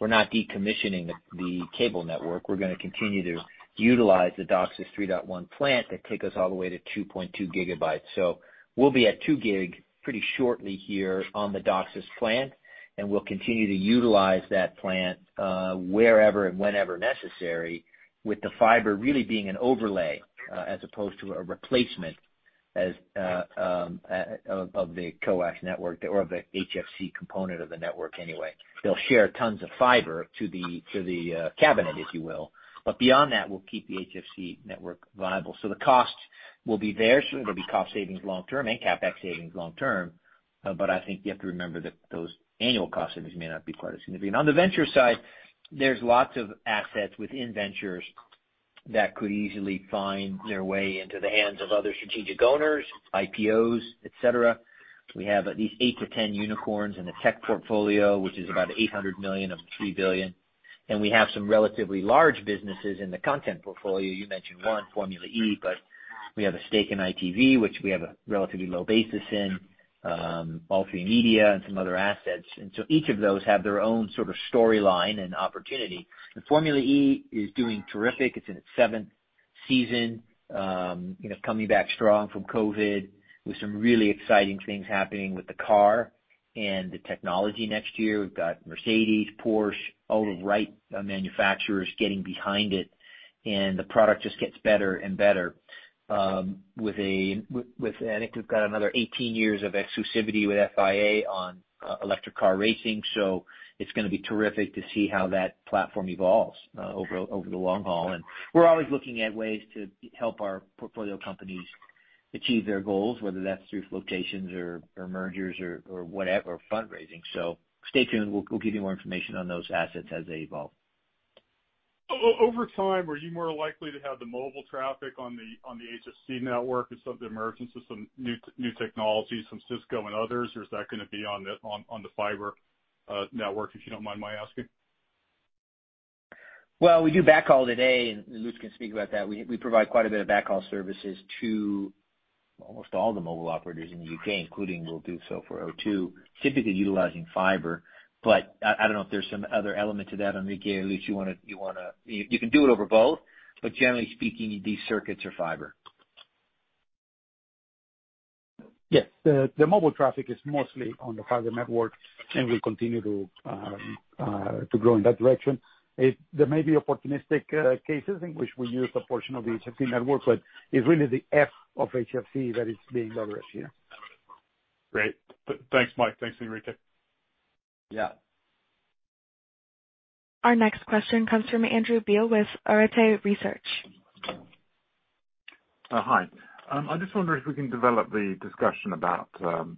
we're not decommissioning the cable network. We're going to continue to utilize the DOCSIS 3.1 plant that take us all the way to 2.2 gigabytes. We'll be at 2 gig pretty shortly here on the DOCSIS plant, and we'll continue to utilize that plant wherever and whenever necessary with the fiber really being an overlay as opposed to a replacement of the coax network or of the HFC component of the network anyway. They'll share tons of fiber to the cabinet, if you will. Beyond that, we'll keep the HFC network viable. The costs will be there. There'll be cost savings long term and CapEx savings long term. I think you have to remember that those annual cost savings may not be quite as significant. On the venture side, there's lots of assets within ventures that could easily find their way into the hands of other strategic owners, IPOs, et cetera. We have at least eight to 10 unicorns in the tech portfolio, which is about $800 million of $3 billion. We have some relatively large businesses in the content portfolio. You mentioned one, Formula E, but we have a stake in ITV, which we have a relatively low basis in, All3Media and some other assets. Each of those have their own sort of storyline and opportunity. Formula E is doing terrific. It's in its seventh season, you know, coming back strong from COVID, with some really exciting things happening with the car and the technology next year. We've got Mercedes, Porsche, all the right manufacturers getting behind it, and the product just gets better and better. I think we've got another 18-years of exclusivity with FIA on electric car racing, so it's gonna be terrific to see how that platform evolves over the long haul. We're always looking at ways to help our portfolio companies achieve their goals, whether that's through flotations or mergers or whatever, fundraising. Stay tuned. We'll give you more information on those assets as they evolve. Over time, are you more likely to have the mobile traffic on the HFC network as some of the emergence of some new technologies from Cisco and others, or is that gonna be on the fiber network, if you don't mind my asking? Well, we do backhaul today, and Lutz can speak about that. We provide quite a bit of backhaul services to almost all the mobile operators in the U.K., including we'll do so for O2, typically utilizing fiber. I don't know if there's some other element to that, Enrique or Lutz. You can do it over both. Generally speaking, these circuits are fiber. Yes. The mobile traffic is mostly on the fiber network and will continue to grow in that direction. There may be opportunistic cases in which we use a portion of the HFC network, but it's really the F of HFC that is being addressed here. Great. Thanks, Mike. Thanks, Enrique. Yeah. Our next question comes from Andrew Beale with Arete Research. Hi. I just wonder if we can develop the discussion about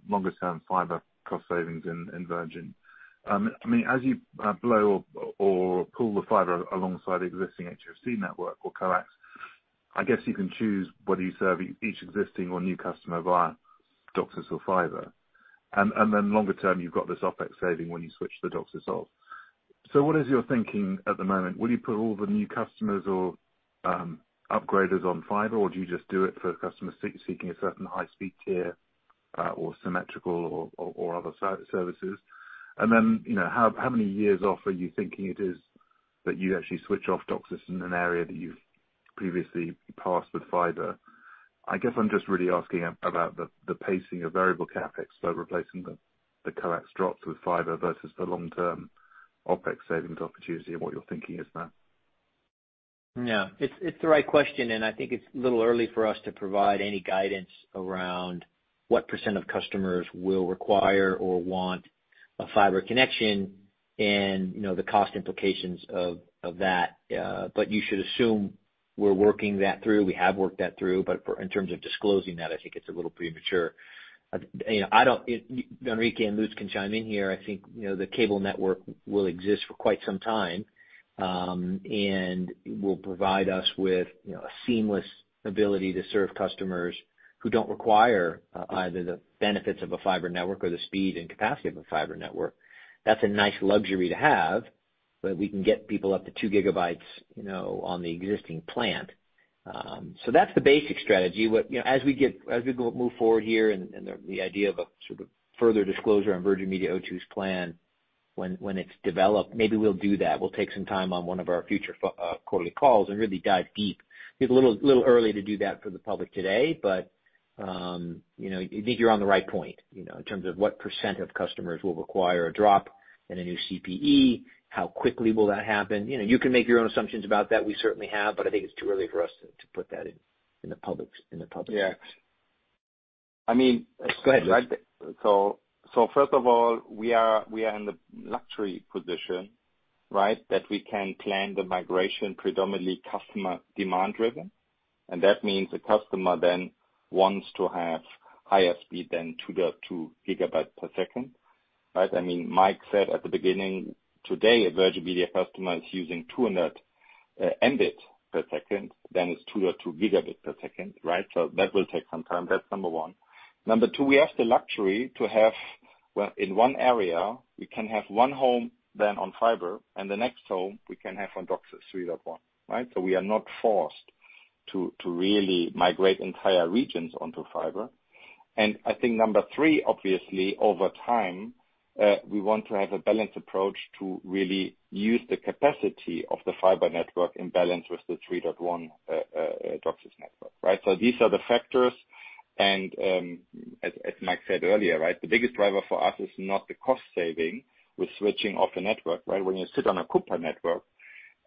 longer-term fiber cost savings in Virgin. I mean, as you blow or pull the fiber alongside the existing HFC network or coax, I guess you can choose whether you serve each existing or new customer via DOCSIS or fiber. Longer term, you've got this OpEx saving when you switch the DOCSIS off. What is your thinking at the moment? Will you put all the new customers or upgraders on fiber, or do you just do it for customers seeking a certain high speed tier, or symmetrical or other services? You know, how many years off are you thinking it is that you actually switch off DOCSIS in an area that you've previously passed with fiber? I guess I'm just really asking about the pacing of variable CapEx for replacing the coax drops with fiber versus the long-term OpEx savings opportunity and what you're thinking is now. No. It's the right question. I think it's a little early for us to provide any guidance around what % of customers will require or want a fiber connection and, you know, the cost implications of that. You should assume we're working that through. We have worked that through. In terms of disclosing that, I think it's a little premature. You know, I don't Enrique Rodriguez and Lutz Schüler can chime in here. I think, you know, the cable network will exist for quite some time, will provide us with, you know, a seamless ability to serve customers who don't require either the benefits of a fiber network or the speed and capacity of a fiber network. That's a nice luxury to have. We can get people up to 2 gigabytes, you know, on the existing plant. That's the basic strategy. What, you know, as we move forward here and the idea of a sort of further disclosure on Virgin Media O2's plan when it's developed, maybe we'll do that. We'll take some time on one of our future quarterly calls and really dive deep. It's a little early to do that for the public today, but, you know, I think you're on the right point, you know, in terms of what percent of customers will require a drop and a new CPE. How quickly will that happen? You know, you can make your own assumptions about that. We certainly have, but I think it's too early for us to put that in the public's. Yeah. Go ahead, Lutz. First of all, we are in the luxury position, right, that we can plan the migration predominantly customer demand driven. That means the customer then wants to have higher speed than 2.2 gigabits per second, right? I mean Mike said at the beginning, today a Virgin Media customer is using 200 Mbps, it's 2.2 Gbps, right? That will take some time. That's number one. Number two, we have the luxury to have, well, in one area, we can have one home then on fiber and the next home we can have on DOCSIS 3.1, right? We are not forced to really migrate entire regions onto fiber. I think number three, obviously, over time, we want to have a balanced approach to really use the capacity of the fiber network in balance with the 3.1 DOCSIS network. These are the factors. As Mike said earlier, right? The biggest driver for us is not the cost saving with switching off the network, right? When you sit on a copper network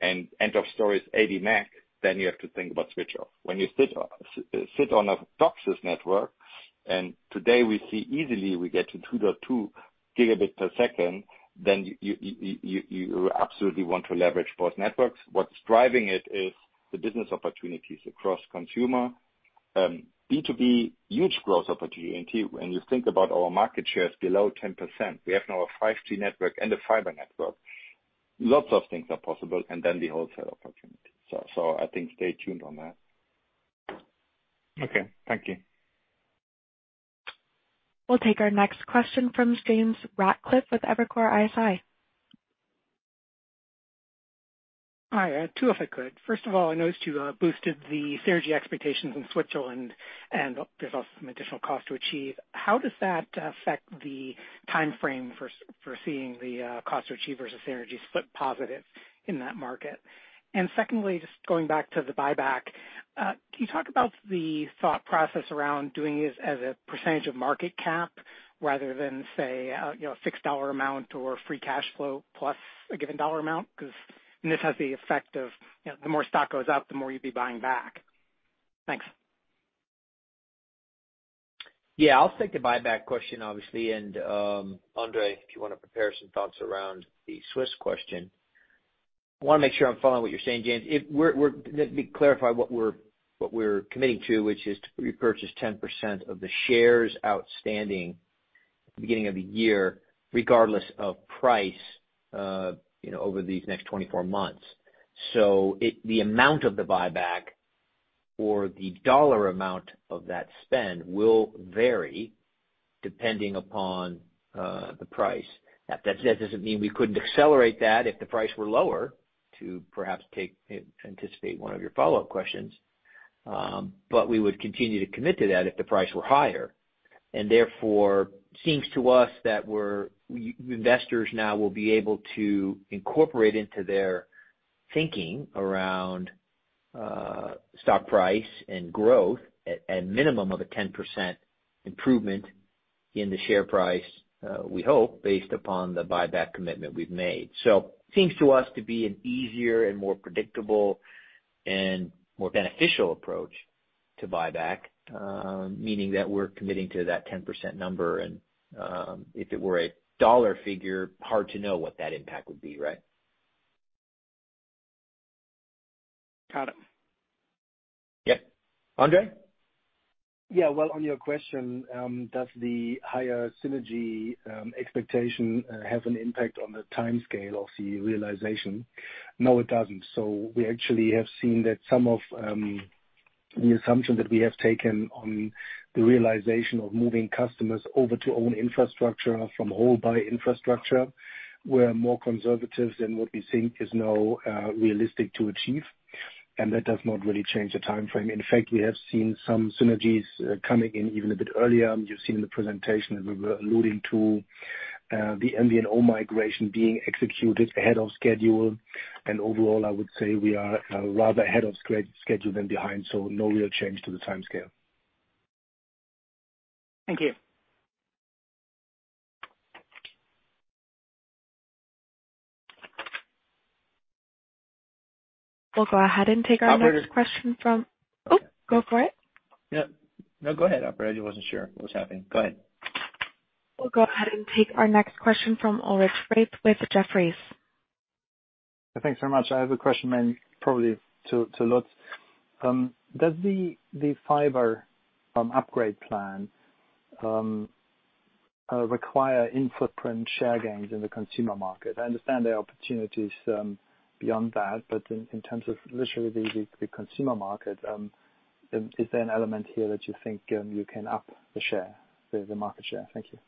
and end of story is 80 meg, then you have to think about switch off. When you sit on a DOCSIS network and today we see easily we get to 2.2 gigabit per second, then you absolutely want to leverage both networks. What's driving it is the business opportunities across consumer. B2B, huge growth opportunity. When you think about our market share is below 10%. We have now a 5G network and a fiber network. Lots of things are possible, and then the wholesale opportunity. I think stay tuned on that. Okay. Thank you. We'll take our next question from James Ratcliffe with Evercore ISI. Hi, two, if I could. First of all, I noticed you boosted the synergy expectations in Switzerland, and there's also some additional cost to achieve. How does that affect the timeframe for seeing the cost to achieve versus synergies flip positive in that market? Secondly, just going back to the buyback, can you talk about the thought process around doing this as a percentage of market cap rather than, say, you know, a fixed dollar amount or free cash flow plus a given dollar amount? This has the effect of, you know, the more stock goes up, the more you'd be buying back. Thanks. Yeah, I'll take the buyback question, obviously. André, if you wanna prepare some thoughts around the Swiss question. Wanna make sure I'm following what you're saying, James Ratcliffe. Let me clarify what we're, what we're committing to, which is to repurchase 10% of the shares outstanding at the beginning of the year, regardless of price, you know, over these next 24-months. The amount of the buyback or the dollar amount of that spend will vary depending upon the price. That doesn't mean we couldn't accelerate that if the price were lower, to perhaps take, anticipate one of your follow-up questions. We would continue to commit to that if the price were higher. Therefore, seems to us that we're investors now will be able to incorporate into their thinking around stock price and growth at a minimum of a 10% improvement in the share price, we hope, based upon the buyback commitment we've made. Seems to us to be an easier and more predictable and more beneficial approach to buyback, meaning that we're committing to that 10% number and, if it were a US dollar figure, hard to know what that impact would be, right? Got it. Yeah. André? On your question, does the higher synergy expectation have an impact on the timescale of the realization? No, it doesn't. We actually have seen that some of the assumption that we have taken on the realization of moving customers over to own infrastructure from old infrastructure, we're more conservative than what we think is now realistic to achieve, and that does not really change the timeframe. In fact, we have seen some synergies coming in even a bit earlier. You've seen in the presentation that we were alluding to, the MVNO migration being executed ahead of schedule. Overall, I would say we are rather ahead of schedule than behind, no real change to the timescale. Thank you. We'll go ahead and take our next question from. Operator. Oh, go for it. Yeah. No, go ahead, operator. I just wasn't sure what was happening. Go ahead. We'll go ahead and take our next question from Ulrich Rathe with Jefferies. Thanks very much. I have a question, probably to Lutz. Does the fiber upgrade plan require imprint share gains in the consumer market? I understand there are opportunities beyond that, but in terms of literally the consumer market, is there an element here that you think you can up the share, the market share? Thank you.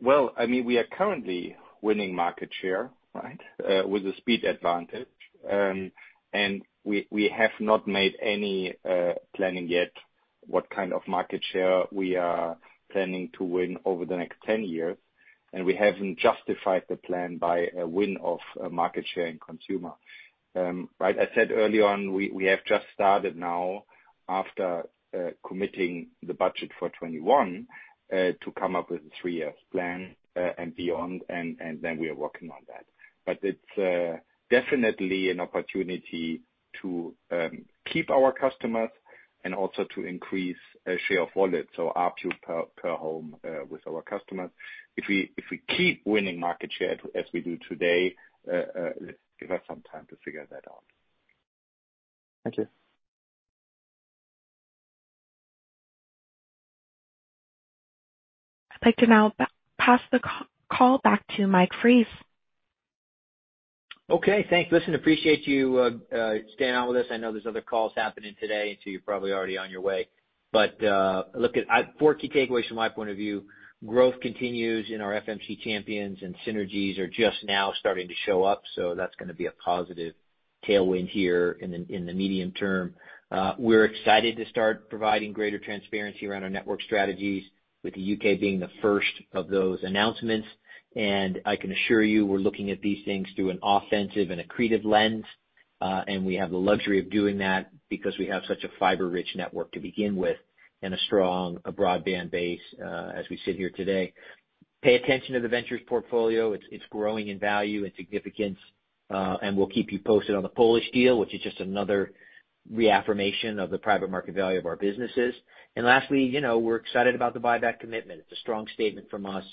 Well, I mean, we are currently winning market share, right, with the speed advantage. We have not made any planning yet what kind of market share we are planning to win over the next 10-years, and we haven't justified the plan by a win of market share in consumer. Right, I said early on, we have just started now after committing the budget for 2021 to come up with a three year plan and beyond, and then we are working on that. It's definitely an opportunity to keep our customers and also to increase a share of wallet, so ARPU per home with our customers. If we keep winning market share as we do today, give us some time to figure that out. Thank you. I'd like to now pass the call back to Mike Fries. Okay. Thanks. Listen, appreciate you staying on with us. I know there's other calls happening today, you're probably already on your way. four key takeaways from my point of view. Growth continues in our FMC champions, synergies are just now starting to show up, that's gonna be a positive tailwind here in the medium term. We're excited to start providing greater transparency around our network strategies, with the U.K. being the first of those announcements. I can assure you, we're looking at these things through an offensive and accretive lens, we have the luxury of doing that because we have such a fiber-rich network to begin with and a strong broadband base, as we sit here today. Pay attention to the ventures portfolio. It's growing in value and significance. We'll keep you posted on the Polish deal, which is just another reaffirmation of the private market value of our businesses. Lastly, you know, we're excited about the buyback commitment. It's a strong statement from us.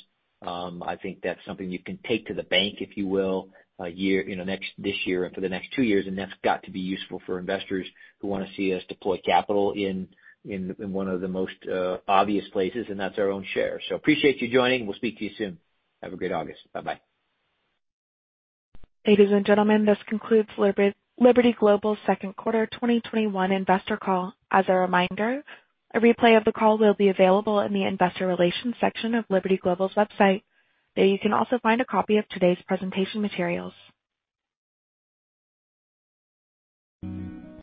I think that's something you can take to the bank, if you will, a year, you know, this year and for the next two years, that's got to be useful for investors who wanna see us deploy capital in one of the most obvious places, and that's our own share. Appreciate you joining. We'll speak to you soon. Have a great August. Bye-bye. Ladies and gentlemen, this concludes Liberty Global's second quarter 2021 investor call. As a reminder, a replay of the call will be available in the investor relations section of Liberty Global's website. There, you can also find a copy of today's presentation materials.